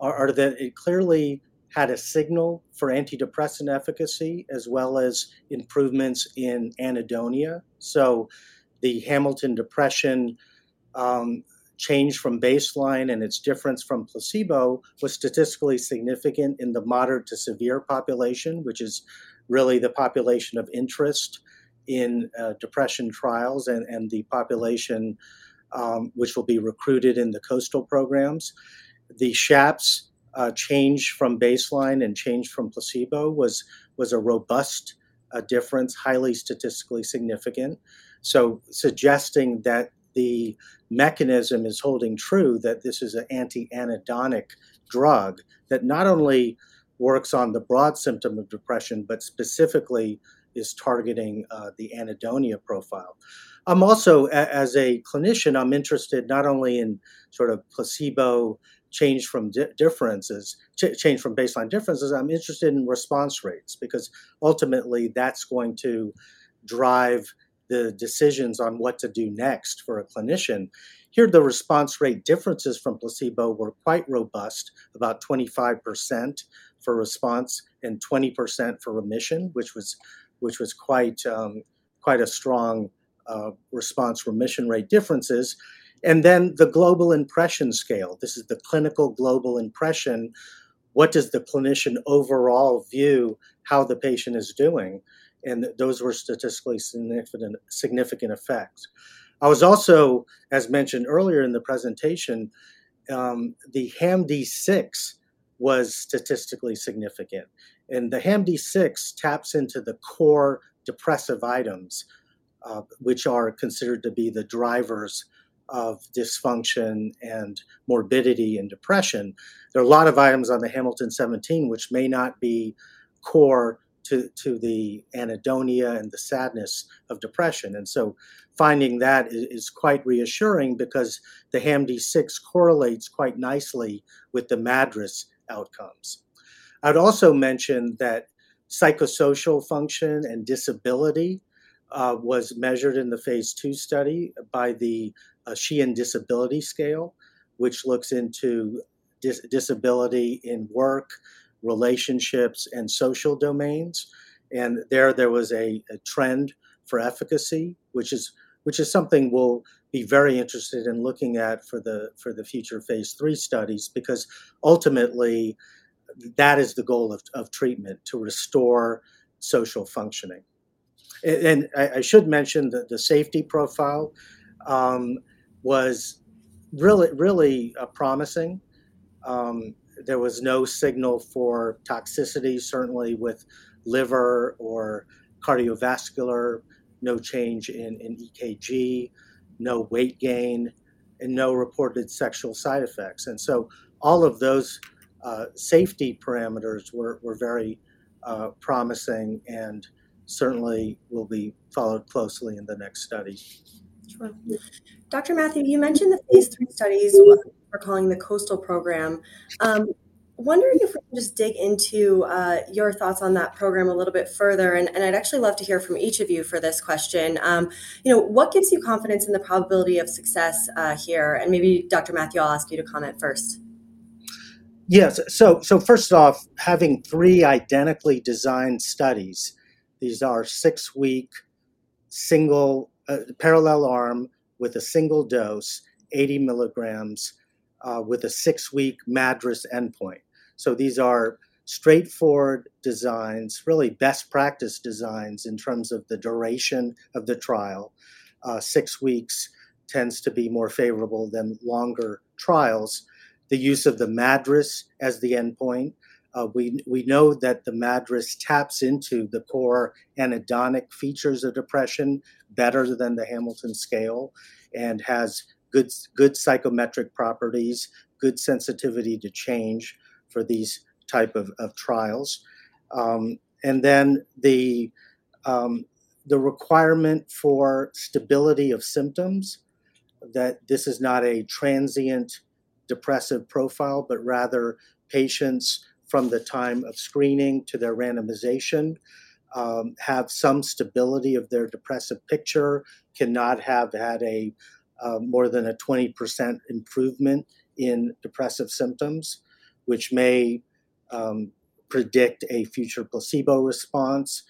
are that it clearly had a signal for antidepressant efficacy, as well as improvements in anhedonia. So the Hamilton Depression change from baseline and its difference from placebo was statistically significant in the moderate to severe population, which is really the population of interest in depression trials and the population which will be recruited in the COASTAL Programs. The SHAPS change from baseline and change from placebo was a robust difference, highly statistically significant. So suggesting that the mechanism is holding true, that this is an anti-anhedonic drug, that not only works on the broad symptom of depression, but specifically is targeting the anhedonia profile. Also, as a clinician, I'm interested not only in sort of placebo change from baseline differences. I'm interested in response rates, because ultimately, that's going to drive the decisions on what to do next for a clinician. Here, the response rate differences from placebo were quite robust, about 25% for response and 20% for remission, which was quite a strong response remission rate differences. Then the global impression scale, this is the Clinical Global Impression. What does the clinician overall view how the patient is doing? Those were statistically significant effects. I was also, as mentioned earlier in the presentation, the HAM-D6 was statistically significant, and the HAM-D6 taps into the core depressive items, which are considered to be the drivers of dysfunction and morbidity and depression. There are a lot of items on the Hamilton seventeen which may not be core to the anhedonia and the sadness of depression, and so finding that is quite reassuring because the HAM-D6 correlates quite nicely with the MADRS outcomes. I'd also mention that psychosocial function and disability was measured in the phase II study by the Sheehan Disability Scale, which looks into disability in work, relationships, and social domains, and there was a trend for efficacy, which is something we'll be very interested in looking at for the future phase III studies, because ultimately, that is the goal of treatment, to restore social functioning, and I should mention that the safety profile was really promising. There was no signal for toxicity, certainly with liver or cardiovascular, no change in EKG, no weight gain, and no reported sexual side effects. And so all of those safety parameters were very promising and certainly will be followed closely in the next study. Sure. Dr. Mathew, you mentioned the phase III studies, what we're calling the COASTAL Program. Wondering if we can just dig into your thoughts on that program a little bit further, and, and I'd actually love to hear from each of you for this question. You know, what gives you confidence in the probability of success here? And maybe Dr. Mathew, I'll ask you to comment first. Yes. So first off, having three identically designed studies. These are six-week, single, parallel arm with a single dose, eighty milligrams, with a six-week MADRS endpoint. So these are straightforward designs, really best practice designs in terms of the duration of the trial. Six weeks tends to be more favorable than longer trials. The use of the MADRS as the endpoint, we know that the MADRS taps into the core anhedonic features of depression better than the Hamilton Scale, and has good psychometric properties, good sensitivity to change for these type of trials. And then the requirement for stability of symptoms, that this is not a transient depressive profile, but rather patients from the time of screening to their randomization have some stability of their depressive picture, cannot have had more than a 20% improvement in depressive symptoms, which may predict a future placebo response.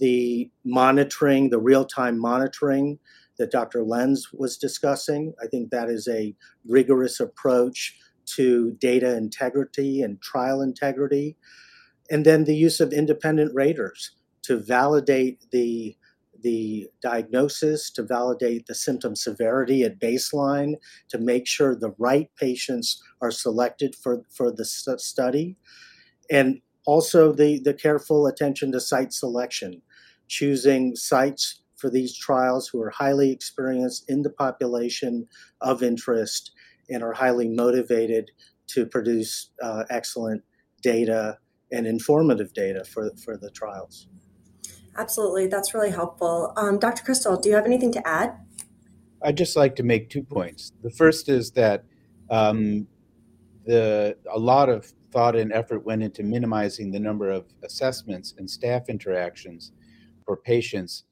The monitoring, the real-time monitoring that Dr. Lenz was discussing, I think that is a rigorous approach to data integrity and trial integrity. And then the use of independent raters to validate the diagnosis, to validate the symptom severity at baseline, to make sure the right patients are selected for the study. And also, the careful attention to site selection, choosing sites for these trials who are highly experienced in the population of interest and are highly motivated to produce excellent data and informative data for the trials. Absolutely. That's really helpful. Dr. Krystal, do you have anything to add? I'd just like to make two points. The first is that a lot of thought and effort went into minimizing the number of assessments and staff interactions for patients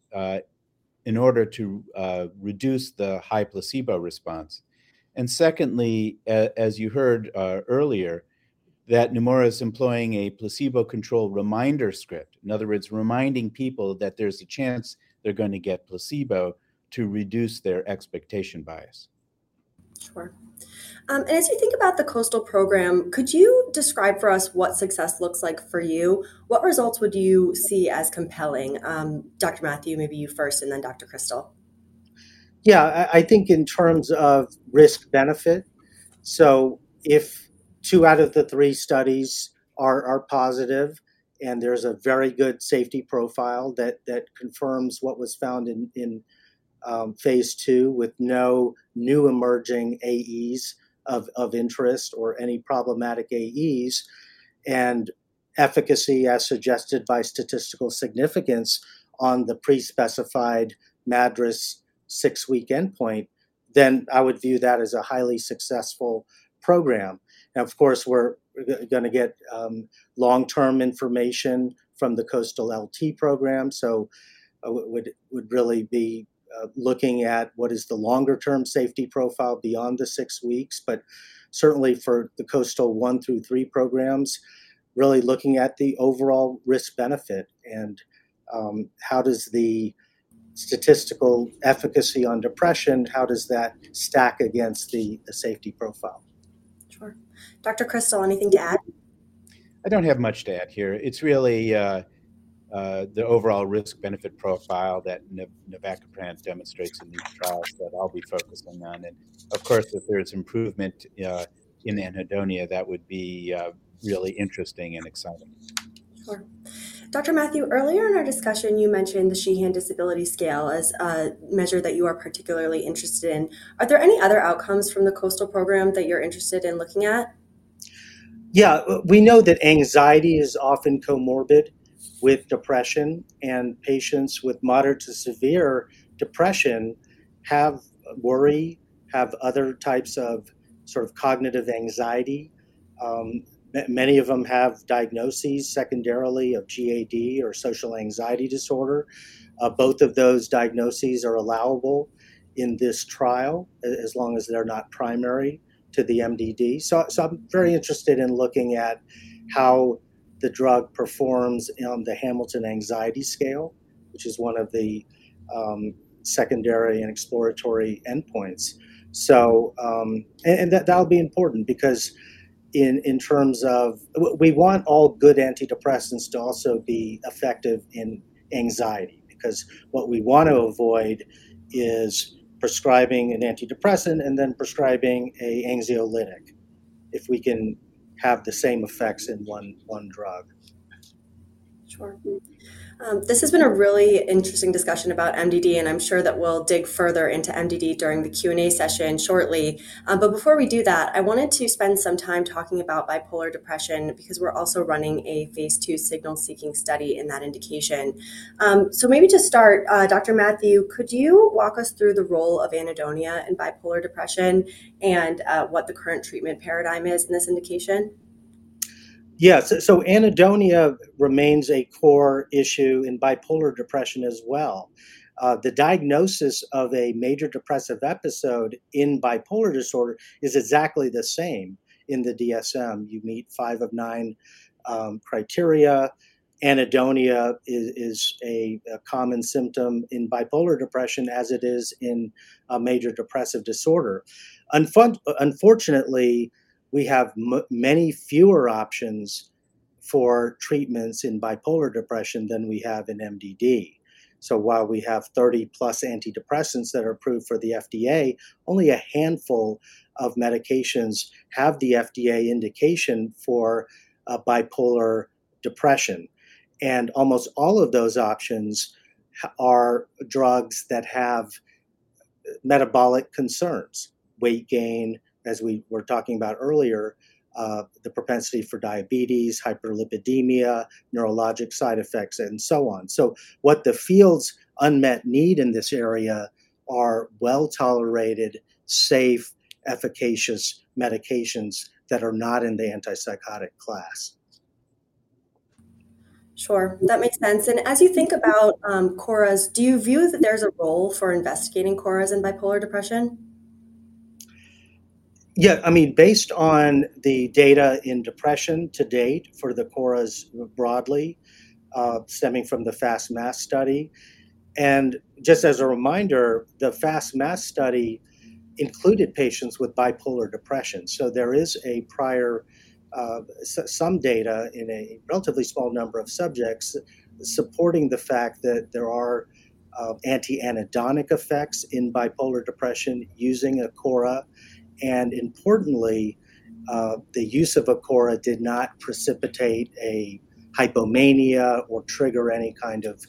in order to reduce the high placebo response. And secondly, as you heard earlier, that Neumora is employing a placebo-controlled reminder script. In other words, reminding people that there's a chance they're going to get placebo to reduce their expectation bias. Sure, and as you think about the COASTAL Program, could you describe for us what success looks like for you? What results would you see as compelling? Dr. Mathew, maybe you first, and then Dr. Krystal. Yeah, I think in terms of risk-benefit. So if two out of the three studies are positive, and there's a very good safety profile that confirms what was found in phase II, with no new emerging AEs of interest or any problematic AEs, and efficacy, as suggested by statistical significance on the pre-specified MADRS six-week endpoint, then I would view that as a highly successful program. Now, of course, we're gonna get long-term information from the COASTAL-LT program, so we'd really be looking at what is the longer-term safety profile beyond the six weeks. But certainly for the COASTAL-1 through 3 programs, really looking at the overall risk-benefit, and how does the statistical efficacy on depression, how does that stack against the safety profile? Sure. Dr. Krystal, anything to add? I don't have much to add here. It's really the overall risk-benefit profile that navacaprant demonstrates in these trials that I'll be focusing on, and of course, if there's improvement in anhedonia, that would be really interesting and exciting. Sure. Dr. Mathew, earlier in our discussion, you mentioned the Sheehan Disability Scale as a measure that you are particularly interested in. Are there any other outcomes from the COASTAL Program that you're interested in looking at? Yeah. We know that anxiety is often comorbid with depression, and patients with moderate to severe depression have worry, have other types of sort of cognitive anxiety. Many of them have diagnoses secondarily of GAD or social anxiety disorder. Both of those diagnoses are allowable in this trial, as long as they're not primary to the MDD. So I'm very interested in looking at how the drug performs on the Hamilton Anxiety Scale, which is one of the secondary and exploratory endpoints. And that would be important because in terms of we want all good antidepressants to also be effective in anxiety, because what we want to avoid is prescribing an antidepressant and then prescribing an anxiolytic, if we can have the same effects in one drug. Sure. This has been a really interesting discussion about MDD, and I'm sure that we'll dig further into MDD during the Q&A session shortly. But before we do that, I wanted to spend some time talking about bipolar depression, because we're also running a phase II signal-seeking study in that indication. So maybe to start, Dr. Mathew, could you walk us through the role of anhedonia in bipolar depression and what the current treatment paradigm is in this indication? Yes. So anhedonia remains a core issue in bipolar depression as well. The diagnosis of a major depressive episode in bipolar disorder is exactly the same in the DSM. You meet five of nine criteria. Anhedonia is a common symptom in bipolar depression as it is in a major depressive disorder. Unfortunately, we have many fewer options for treatments in bipolar depression than we have in MDD. So while we have 30+ antidepressants that are approved for the FDA, only a handful of medications have the FDA indication for bipolar depression. And almost all of those options are drugs that have metabolic concerns: weight gain, as we were talking about earlier, the propensity for diabetes, hyperlipidemia, neurologic side effects, and so on. What the field's unmet need in this area are well-tolerated, safe, efficacious medications that are not in the antipsychotic class. Sure, that makes sense. And as you think about, KORAs, do you view that there's a role for investigating KORAs in bipolar depression? Yeah, I mean, based on the data in depression to date for the KORAs broadly, stemming from the FAST-MAS study, and just as a reminder, the FAST-MAS study included patients with bipolar depression. So there is a prior, some data in a relatively small number of subjects supporting the fact that there are anti-anhedonic effects in bipolar depression using a KORA. And importantly, the use of a KORA did not precipitate a hypomania or trigger any kind of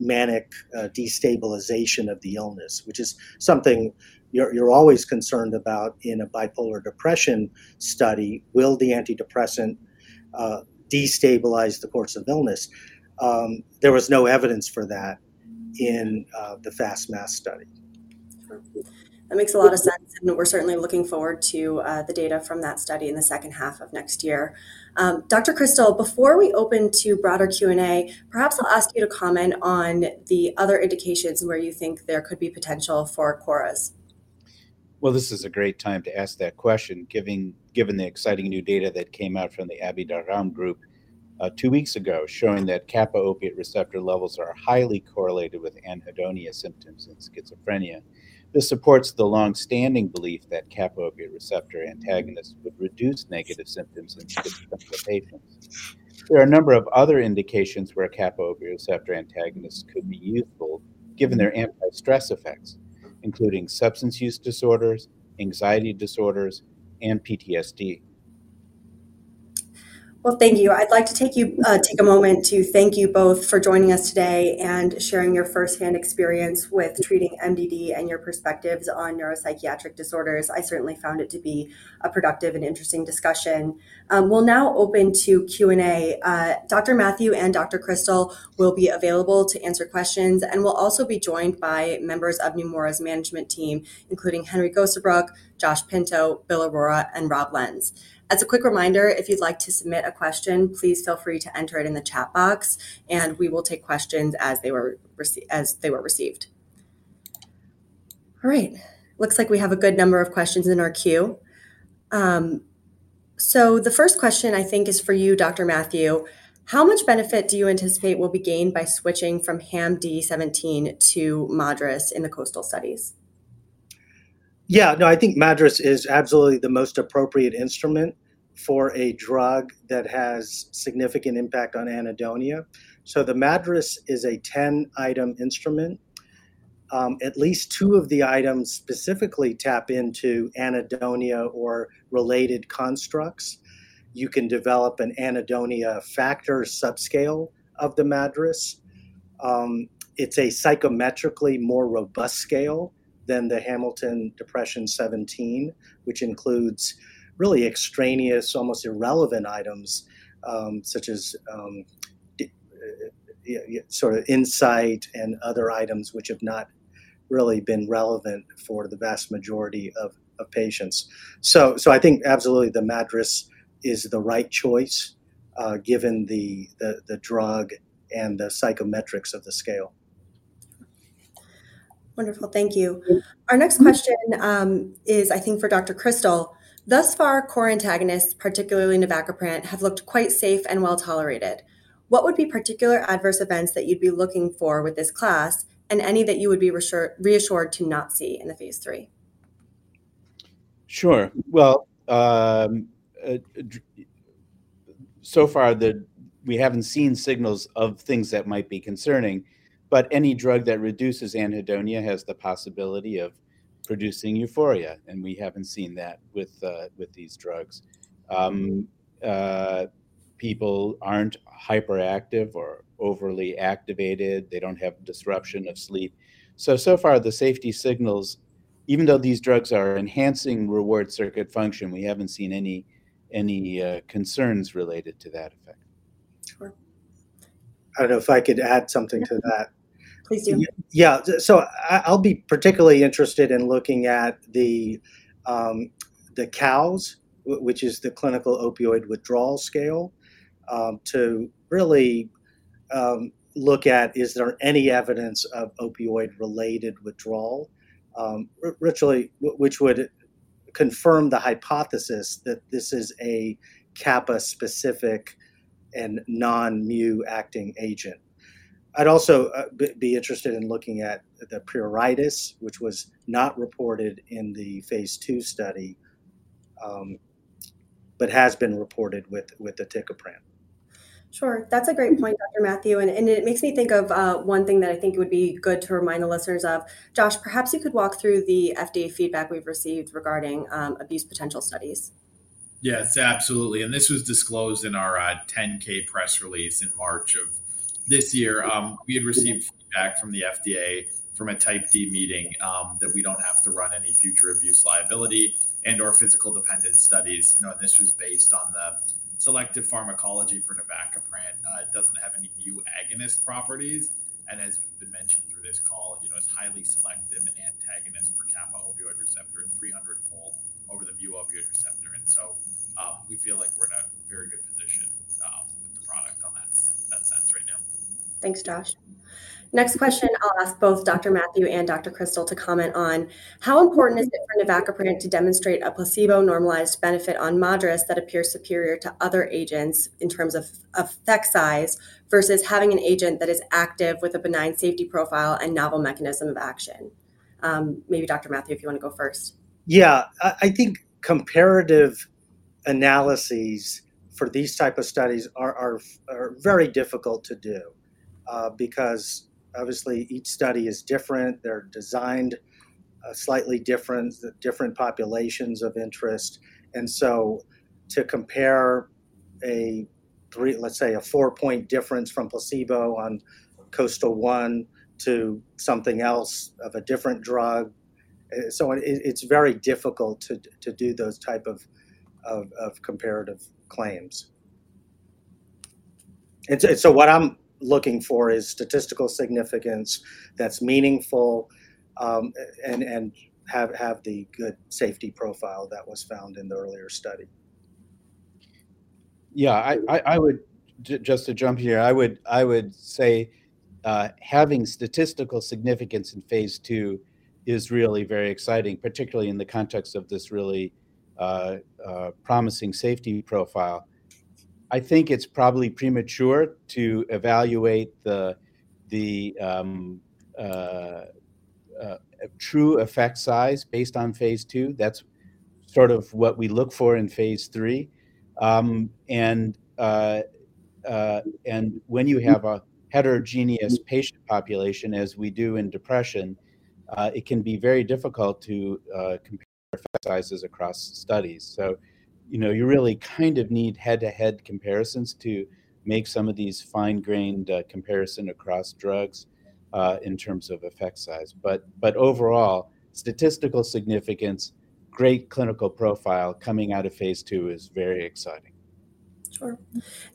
manic destabilization of the illness, which is something you're always concerned about in a bipolar depression study. Will the antidepressant destabilize the course of illness? There was no evidence for that in the FAST-MAS study. Sure. That makes a lot of sense, and we're certainly looking forward to the data from that study in the second half of next year. Dr. Krystal, before we open to broader Q&A, perhaps I'll ask you to comment on the other indications where you think there could be potential for KORAs. This is a great time to ask that question, given the exciting new data that came out from the Abi-Dargham group two weeks ago, showing that kappa-opioid receptor levels are highly correlated with anhedonia symptoms in schizophrenia. This supports the long-standing belief that kappa-opioid receptor antagonists would reduce negative symptoms in schizophrenia patients. There are a number of other indications where kappa-opioid receptor antagonists could be useful, given their anti-stress effects, including substance use disorders, anxiety disorders, and PTSD. Thank you. I'd like to take a moment to thank you both for joining us today and sharing your firsthand experience with treating MDD and your perspectives on neuropsychiatric disorders. I certainly found it to be a productive and interesting discussion. We'll now open to Q&A. Dr. Mathew and Dr. Krystal will be available to answer questions, and we'll also be joined by members of Neumora's management team, including Henry Gosebruch, Joshua Pinto, Bill Arora, and Robert Lenz. As a quick reminder, if you'd like to submit a question, please feel free to enter it in the chat box, and we will take questions as they were received. All right, looks like we have a good number of questions in our queue, so the first question, I think, is for you, Dr. Mathew. How much benefit do you anticipate will be gained by switching from HAM-D17 to MADRS in the COASTAL studies? Yeah, no, I think MADRS is absolutely the most appropriate instrument for a drug that has significant impact on anhedonia. So the MADRS is a 10-item instrument. At least two of the items specifically tap into anhedonia or related constructs. You can develop an anhedonia factor subscale of the MADRS. It's a psychometrically more robust scale than the Hamilton Depression 17, which includes really extraneous, almost irrelevant items, such as insight and other items which have not really been relevant for the vast majority of patients. So I think absolutely the MADRS is the right choice, given the drug and the psychometrics of the scale. Wonderful. Thank you. Our next question is, I think, for Dr. Krystal. Thus far, KORA antagonists, particularly navacaprant, have looked quite safe and well-tolerated. What would be particular adverse events that you'd be looking for with this class and any that you would be reassured to not see in the phase III?... Sure. Well, so far, we haven't seen signals of things that might be concerning, but any drug that reduces anhedonia has the possibility of producing euphoria, and we haven't seen that with these drugs. People aren't hyperactive or overly activated. They don't have disruption of sleep. So far, the safety signals, even though these drugs are enhancing reward circuit function, we haven't seen any concerns related to that effect. Sure. I don't know if I could add something to that. Please do. Yeah. So, I'll be particularly interested in looking at the COWS, which is the Clinical Opioid Withdrawal Scale, to really look at is there any evidence of opioid-related withdrawal? Literally, which would confirm the hypothesis that this is a kappa-specific and non-mu acting agent. I'd also be interested in looking at the pruritus, which was not reported in the phase II study, but has been reported with the aticaprant. Sure. That's a great point, Dr. Mathew, and it makes me think of one thing that I think would be good to remind the listeners of. Josh, perhaps you could walk through the FDA feedback we've received regarding abuse potential studies. Yes, absolutely, and this was disclosed in our 10-K press release in March of this year. We had received feedback from the FDA from a Type D meeting that we don't have to run any future abuse liability and/or physical dependence studies. You know, and this was based on the selective pharmacology for navacaprant. It doesn't have any mu agonist properties, and as has been mentioned through this call, you know, it's highly selective antagonist for kappa opioid receptor, three hundredfold over the mu opioid receptor. And so, we feel like we're in a very good position with the product on that sense right now. Thanks, Josh. Next question, I'll ask both Dr. Mathew and Dr. Krystal to comment on. How important is it for navacaprant to demonstrate a placebo-normalized benefit on MADRS that appears superior to other agents in terms of, effect size, versus having an agent that is active with a benign safety profile and novel mechanism of action? Maybe Dr. Mathew, if you want to go first. Yeah. I think comparative analyses for these type of studies are very difficult to do, because obviously, each study is different. They're designed slightly different, different populations of interest. And so to compare a four-point difference from placebo on COASTAL-1 to something else of a different drug, so it's very difficult to do those type of comparative claims. And so what I'm looking for is statistical significance that's meaningful, and have the good safety profile that was found in the earlier study. Yeah, just to jump here, I would say having statistical significance in phase II is really very exciting, particularly in the context of this really promising safety profile. I think it's probably premature to evaluate the true effect size based on phase II. That's sort of what we look for in phase III. And when you have a heterogeneous patient population, as we do in depression, it can be very difficult to compare sizes across studies. So, you know, you really kind of need head-to-head comparisons to make some of these fine-grained comparison across drugs in terms of effect size. But overall, statistical significance, great clinical profile coming out of phase II is very exciting. Sure.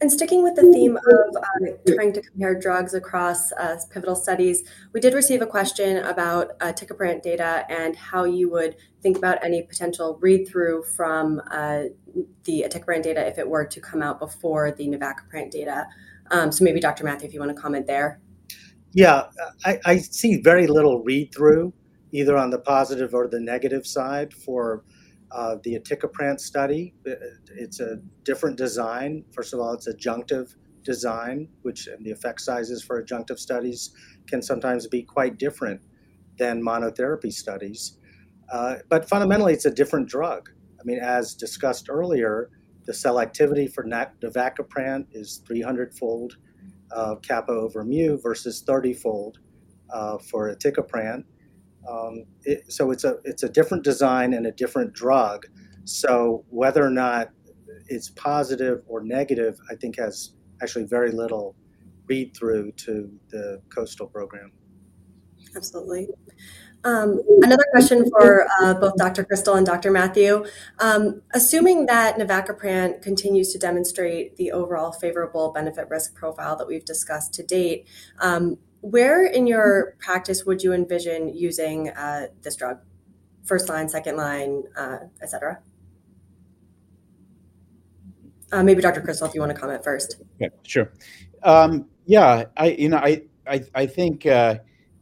And sticking with the theme of trying to compare drugs across pivotal studies, we did receive a question about aticaprant data and how you would think about any potential read-through from the aticaprant data, if it were to come out before the navacaprant data. So maybe Dr. Mathew, if you want to comment there. Yeah. I see very little read-through, either on the positive or the negative side for the aticaprant study. It's a different design. First of all, it's adjunctive design, which, and the effect sizes for adjunctive studies can sometimes be quite different than monotherapy studies. But fundamentally, it's a different drug. I mean, as discussed earlier, the selectivity for navacaprant is 300 fold, kappa over mu versus 30 fold, for aticaprant. So it's a different design and a different drug. So whether or not it's positive or negative, I think has actually very little read-through to the coastal program. Absolutely. Another question for both Dr. Krystal and Dr. Mathew. Assuming that navacaprant continues to demonstrate the overall favorable benefit-risk profile that we've discussed to date, where in your practice would you envision using this drug? First line, second line, et cetera. Maybe Dr. Krystal, if you want to comment first. Yeah, sure. Yeah, you know, I think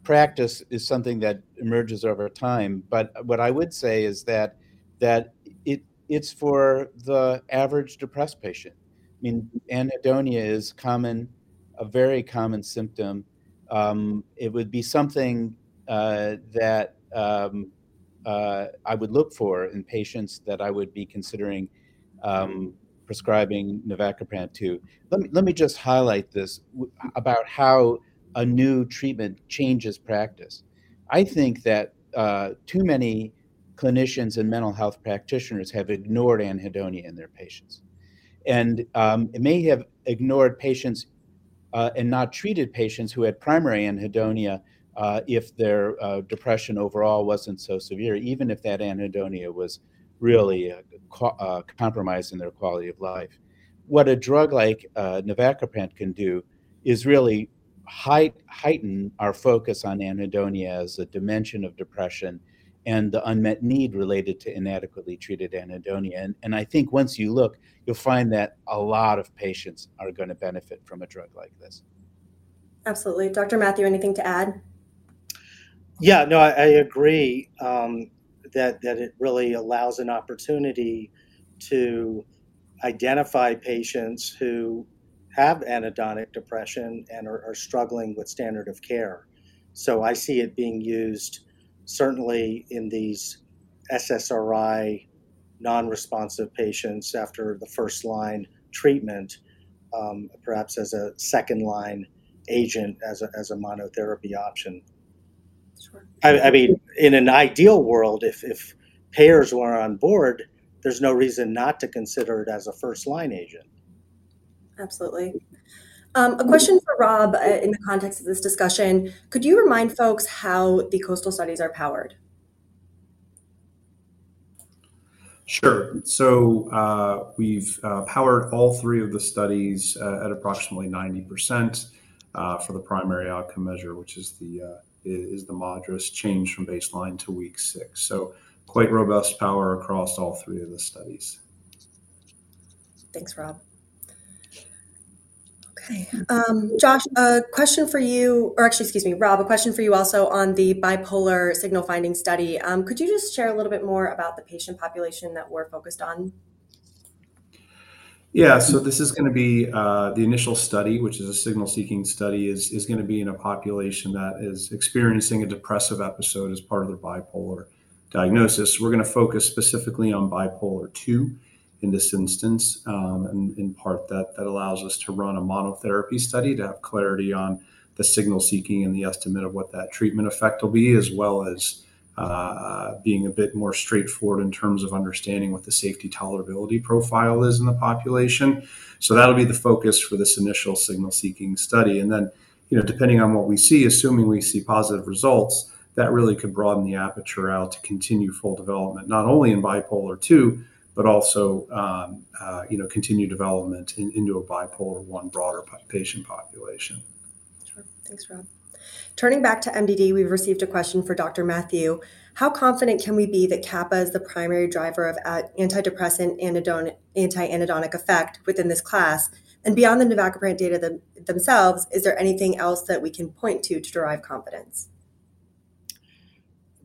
practice is something that emerges over time, but what I would say is that it it's for the average depressed patient. I mean, anhedonia is a very common symptom. It would be something that I would look for in patients that I would be considering prescribing navacaprant to. Let me just highlight this about how a new treatment changes practice. I think that too many clinicians and mental health practitioners have ignored anhedonia in their patients. And may have ignored patients and not treated patients who had primary anhedonia if their depression overall wasn't so severe, even if that anhedonia was really compromising their quality of life. What a drug like navacaprant can do is really heighten our focus on anhedonia as a dimension of depression and the unmet need related to inadequately treated anhedonia. And I think once you look, you'll find that a lot of patients are gonna benefit from a drug like this. Absolutely. Dr. Mathew, anything to add? Yeah. No, I agree that it really allows an opportunity to identify patients who have anhedonic depression and are struggling with standard of care. So I see it being used certainly in these SSRI non-responsive patients after the first-line treatment, perhaps as a second-line agent, as a monotherapy option. Sure. I mean, in an ideal world, if payers were on board, there's no reason not to consider it as a first-line agent. Absolutely. A question for Rob, in the context of this discussion: could you remind folks how the COASTAL studies are powered? Sure. So, we've powered all three of the studies at approximately 90% for the primary outcome measure, which is the MADRS change from baseline to week six, so quite robust power across all three of the studies. Thanks, Rob. Okay, Josh, a question for you, or actually, excuse me, Rob, a question for you also on the bipolar signal finding study. Could you just share a little bit more about the patient population that we're focused on? Yeah. So this is gonna be the initial study, which is a signal-seeking study, is gonna be in a population that is experiencing a depressive episode as part of their bipolar diagnosis. We're gonna focus specifically on Bipolar II in this instance, and in part, that allows us to run a monotherapy study to have clarity on the signal seeking and the estimate of what that treatment effect will be, as well as being a bit more straightforward in terms of understanding what the safety tolerability profile is in the population. So that'll be the focus for this initial signal-seeking study. And then, you know, depending on what we see, assuming we see positive results, that really could broaden the aperture out to continue full development, not only in Bipolar II, but also, you know, continue development into a Bipolar I broader patient population. Sure. Thanks, Rob. Turning back to MDD, we've received a question for Dr. Mathew: how confident can we be that kappa is the primary driver of a antidepressant, anti-anhedonic effect within this class? And beyond the navacaprant data themselves, is there anything else that we can point to to derive confidence?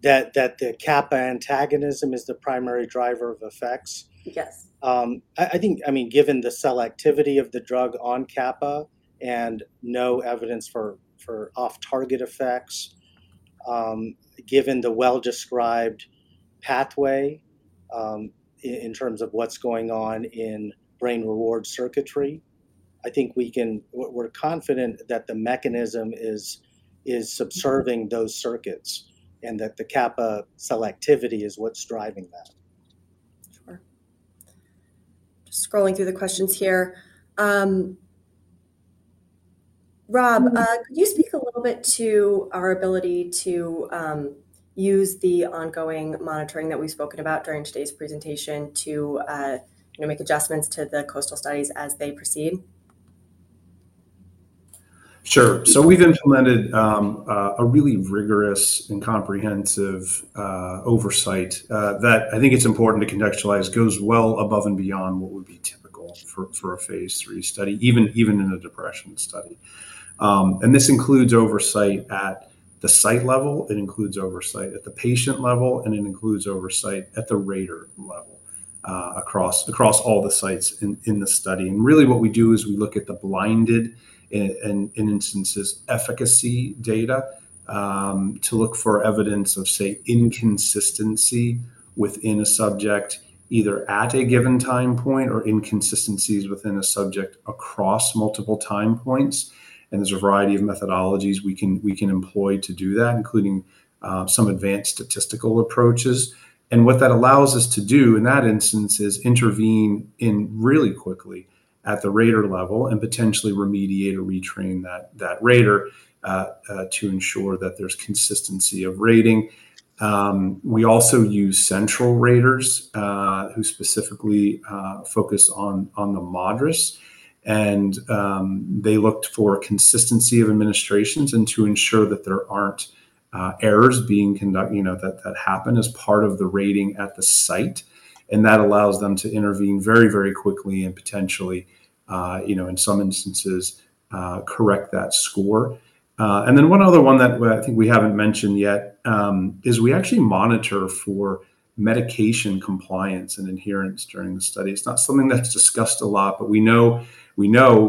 That the kappa antagonism is the primary driver of effects? Yes. I think, I mean, given the selectivity of the drug on kappa and no evidence for off-target effects, given the well-described pathway, in terms of what's going on in brain reward circuitry, I think we're confident that the mechanism is subserving those circuits and that the kappa selectivity is what's driving that. Sure. Just scrolling through the questions here. Rob- Mm-hmm. Could you speak a little bit to our ability to use the ongoing monitoring that we've spoken about during today's presentation to, you know, make adjustments to the COASTAL studies as they proceed? Sure. So we've implemented a really rigorous and comprehensive oversight that I think it's important to contextualize, goes well above and beyond what would be typical for a phase III study, even in a depression study. And this includes oversight at the site level, it includes oversight at the patient level, and it includes oversight at the rater level, across all the sites in the study. And really what we do is we look at the blinded instances efficacy data to look for evidence of, say, inconsistency within a subject, either at a given time point or inconsistencies within a subject across multiple time points. And there's a variety of methodologies we can employ to do that, including some advanced statistical approaches. And what that allows us to do, in that instance, is intervene in really quickly at the rater level and potentially remediate or retrain that rater to ensure that there's consistency of rating. We also use central raters who specifically focus on the MADRS. And they looked for consistency of administrations and to ensure that there aren't errors being conducted, you know, that happen as part of the rating at the site. And that allows them to intervene very, very quickly and potentially, you know, in some instances, correct that score. And then one other one that I think we haven't mentioned yet is we actually monitor for medication compliance and adherence during the study. It's not something that's discussed a lot, but we know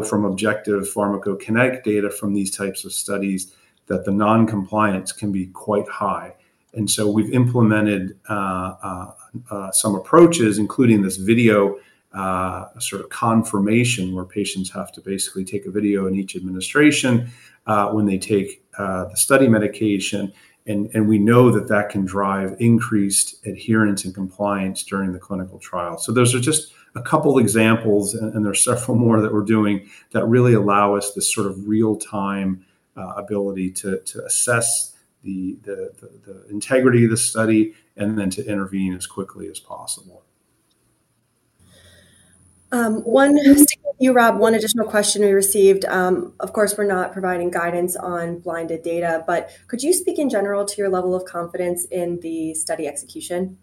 from objective pharmacokinetic data from these types of studies that the non-compliance can be quite high. And so we've implemented some approaches, including this video sort of confirmation, where patients have to basically take a video in each administration when they take the study medication. And we know that that can drive increased adherence and compliance during the clinical trial. So those are just a couple examples, and there are several more that we're doing, that really allow us this sort of real-time ability to assess the integrity of the study and then to intervene as quickly as possible. One additional question we received, Rob. Of course, we're not providing guidance on blinded data, but could you speak in general to your level of confidence in the study execution?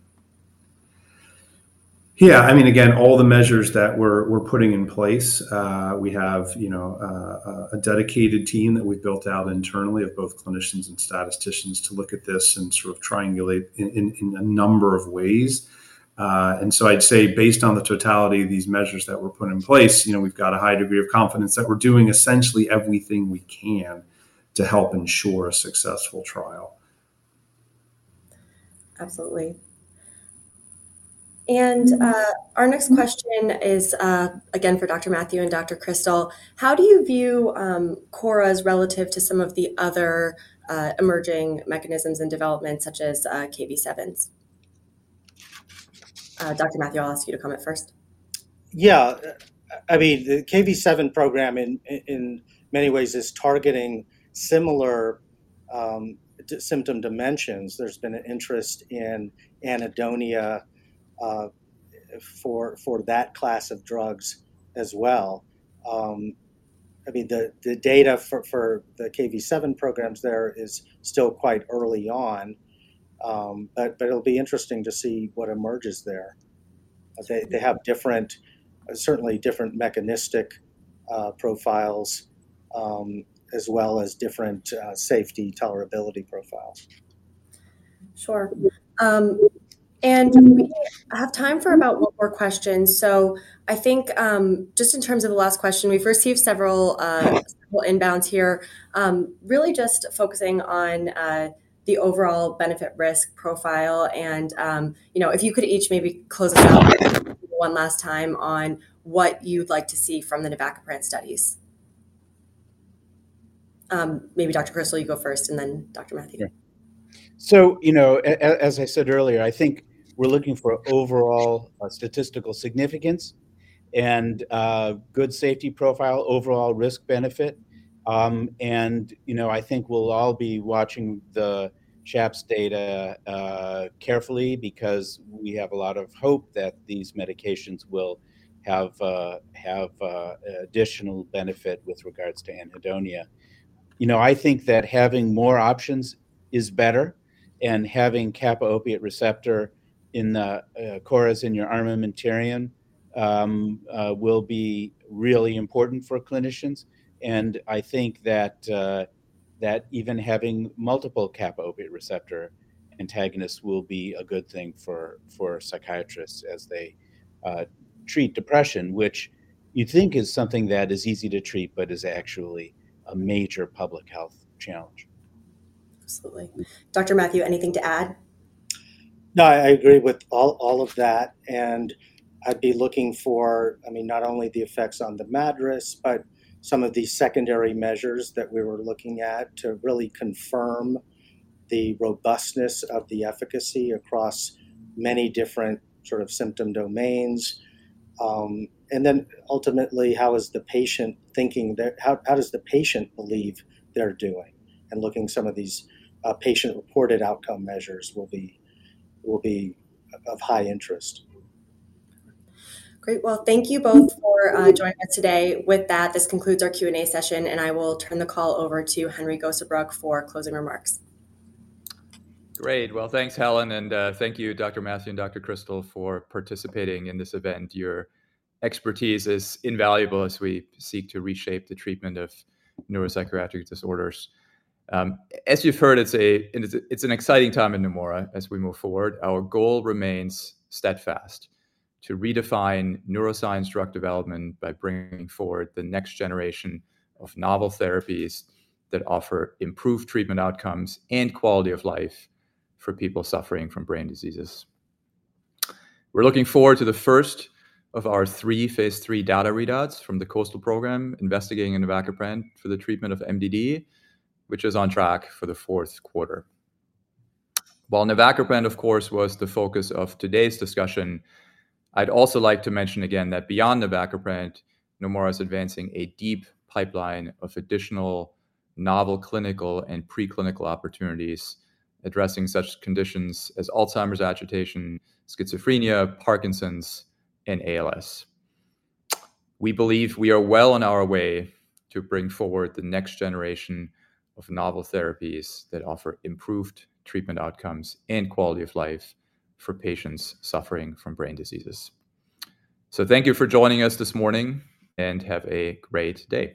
Yeah. I mean, again, all the measures that we're putting in place, we have, you know, a dedicated team that we've built out internally of both clinicians and statisticians to look at this and sort of triangulate in a number of ways. And so I'd say, based on the totality of these measures that were put in place, you know, we've got a high degree of confidence that we're doing essentially everything we can to help ensure a successful trial. Absolutely. And, our next question is, again, for Dr. Mathew and Dr. Krystal: How do you view, KORAs relative to some of the other, emerging mechanisms and developments, such as, Kv7s? Dr. Mathew, I'll ask you to comment first. Yeah. I mean, the Kv7 program in many ways is targeting similar symptom dimensions. There's been an interest in anhedonia for that class of drugs as well. I mean, the data for the Kv7 programs there is still quite early on. But it'll be interesting to see what emerges there. They have different, certainly different mechanistic profiles as well as different safety tolerability profiles. Sure. And we have time for about one more question. So I think, just in terms of the last question, we've received several inbounds here, really just focusing on the overall benefit-risk profile. And, you know, if you could each maybe close it out one last time on what you'd like to see from the navacaprant studies. Maybe Dr. Krystal, you go first, and then Dr. Mathew. So, you know, as I said earlier, I think we're looking for overall statistical significance and good safety profile, overall risk-benefit. And, you know, I think we'll all be watching the SHAPS data carefully because we have a lot of hope that these medications will have additional benefit with regards to anhedonia. You know, I think that having more options is better, and having kappa-opioid receptor in the KORAs in your armamentarium will be really important for clinicians. And I think that even having multiple kappa-opioid receptor antagonists will be a good thing for psychiatrists as they treat depression, which you'd think is something that is easy to treat but is actually a major public health challenge. Absolutely. Dr. Mathew, anything to add? No, I agree with all, all of that, and I'd be looking for, I mean, not only the effects on the MADRS, but some of these secondary measures that we were looking at to really confirm the robustness of the efficacy across many different sort of symptom domains. And then ultimately, how is the patient thinking that... How does the patient believe they're doing? And looking at some of these patient-reported outcome measures will be of high interest. Great. Well, thank you both for joining us today. With that, this concludes our Q&A session, and I will turn the call over to Henry Gosebruch for closing remarks. Great. Well, thanks, Helen, and thank you, Dr. Mathew and Dr. Krystal, for participating in this event. Your expertise is invaluable as we seek to reshape the treatment of neuropsychiatric disorders. As you've heard, it's an exciting time in Neumora as we move forward. Our goal remains steadfast: to redefine neuroscience drug development by bringing forward the next generation of novel therapies that offer improved treatment outcomes and quality of life for people suffering from brain diseases. We're looking forward to the first of our three phase III data readouts from the COASTAL Program investigating navacaprant for the treatment of MDD, which is on track for the fourth quarter. While navacaprant, of course, was the focus of today's discussion, I'd also like to mention again that beyond navacaprant, Neumora is advancing a deep pipeline of additional novel clinical and preclinical opportunities, addressing such conditions as Alzheimer's, agitation, schizophrenia, Parkinson's, and ALS. We believe we are well on our way to bring forward the next generation of novel therapies that offer improved treatment outcomes and quality of life for patients suffering from brain diseases. So thank you for joining us this morning, and have a great day.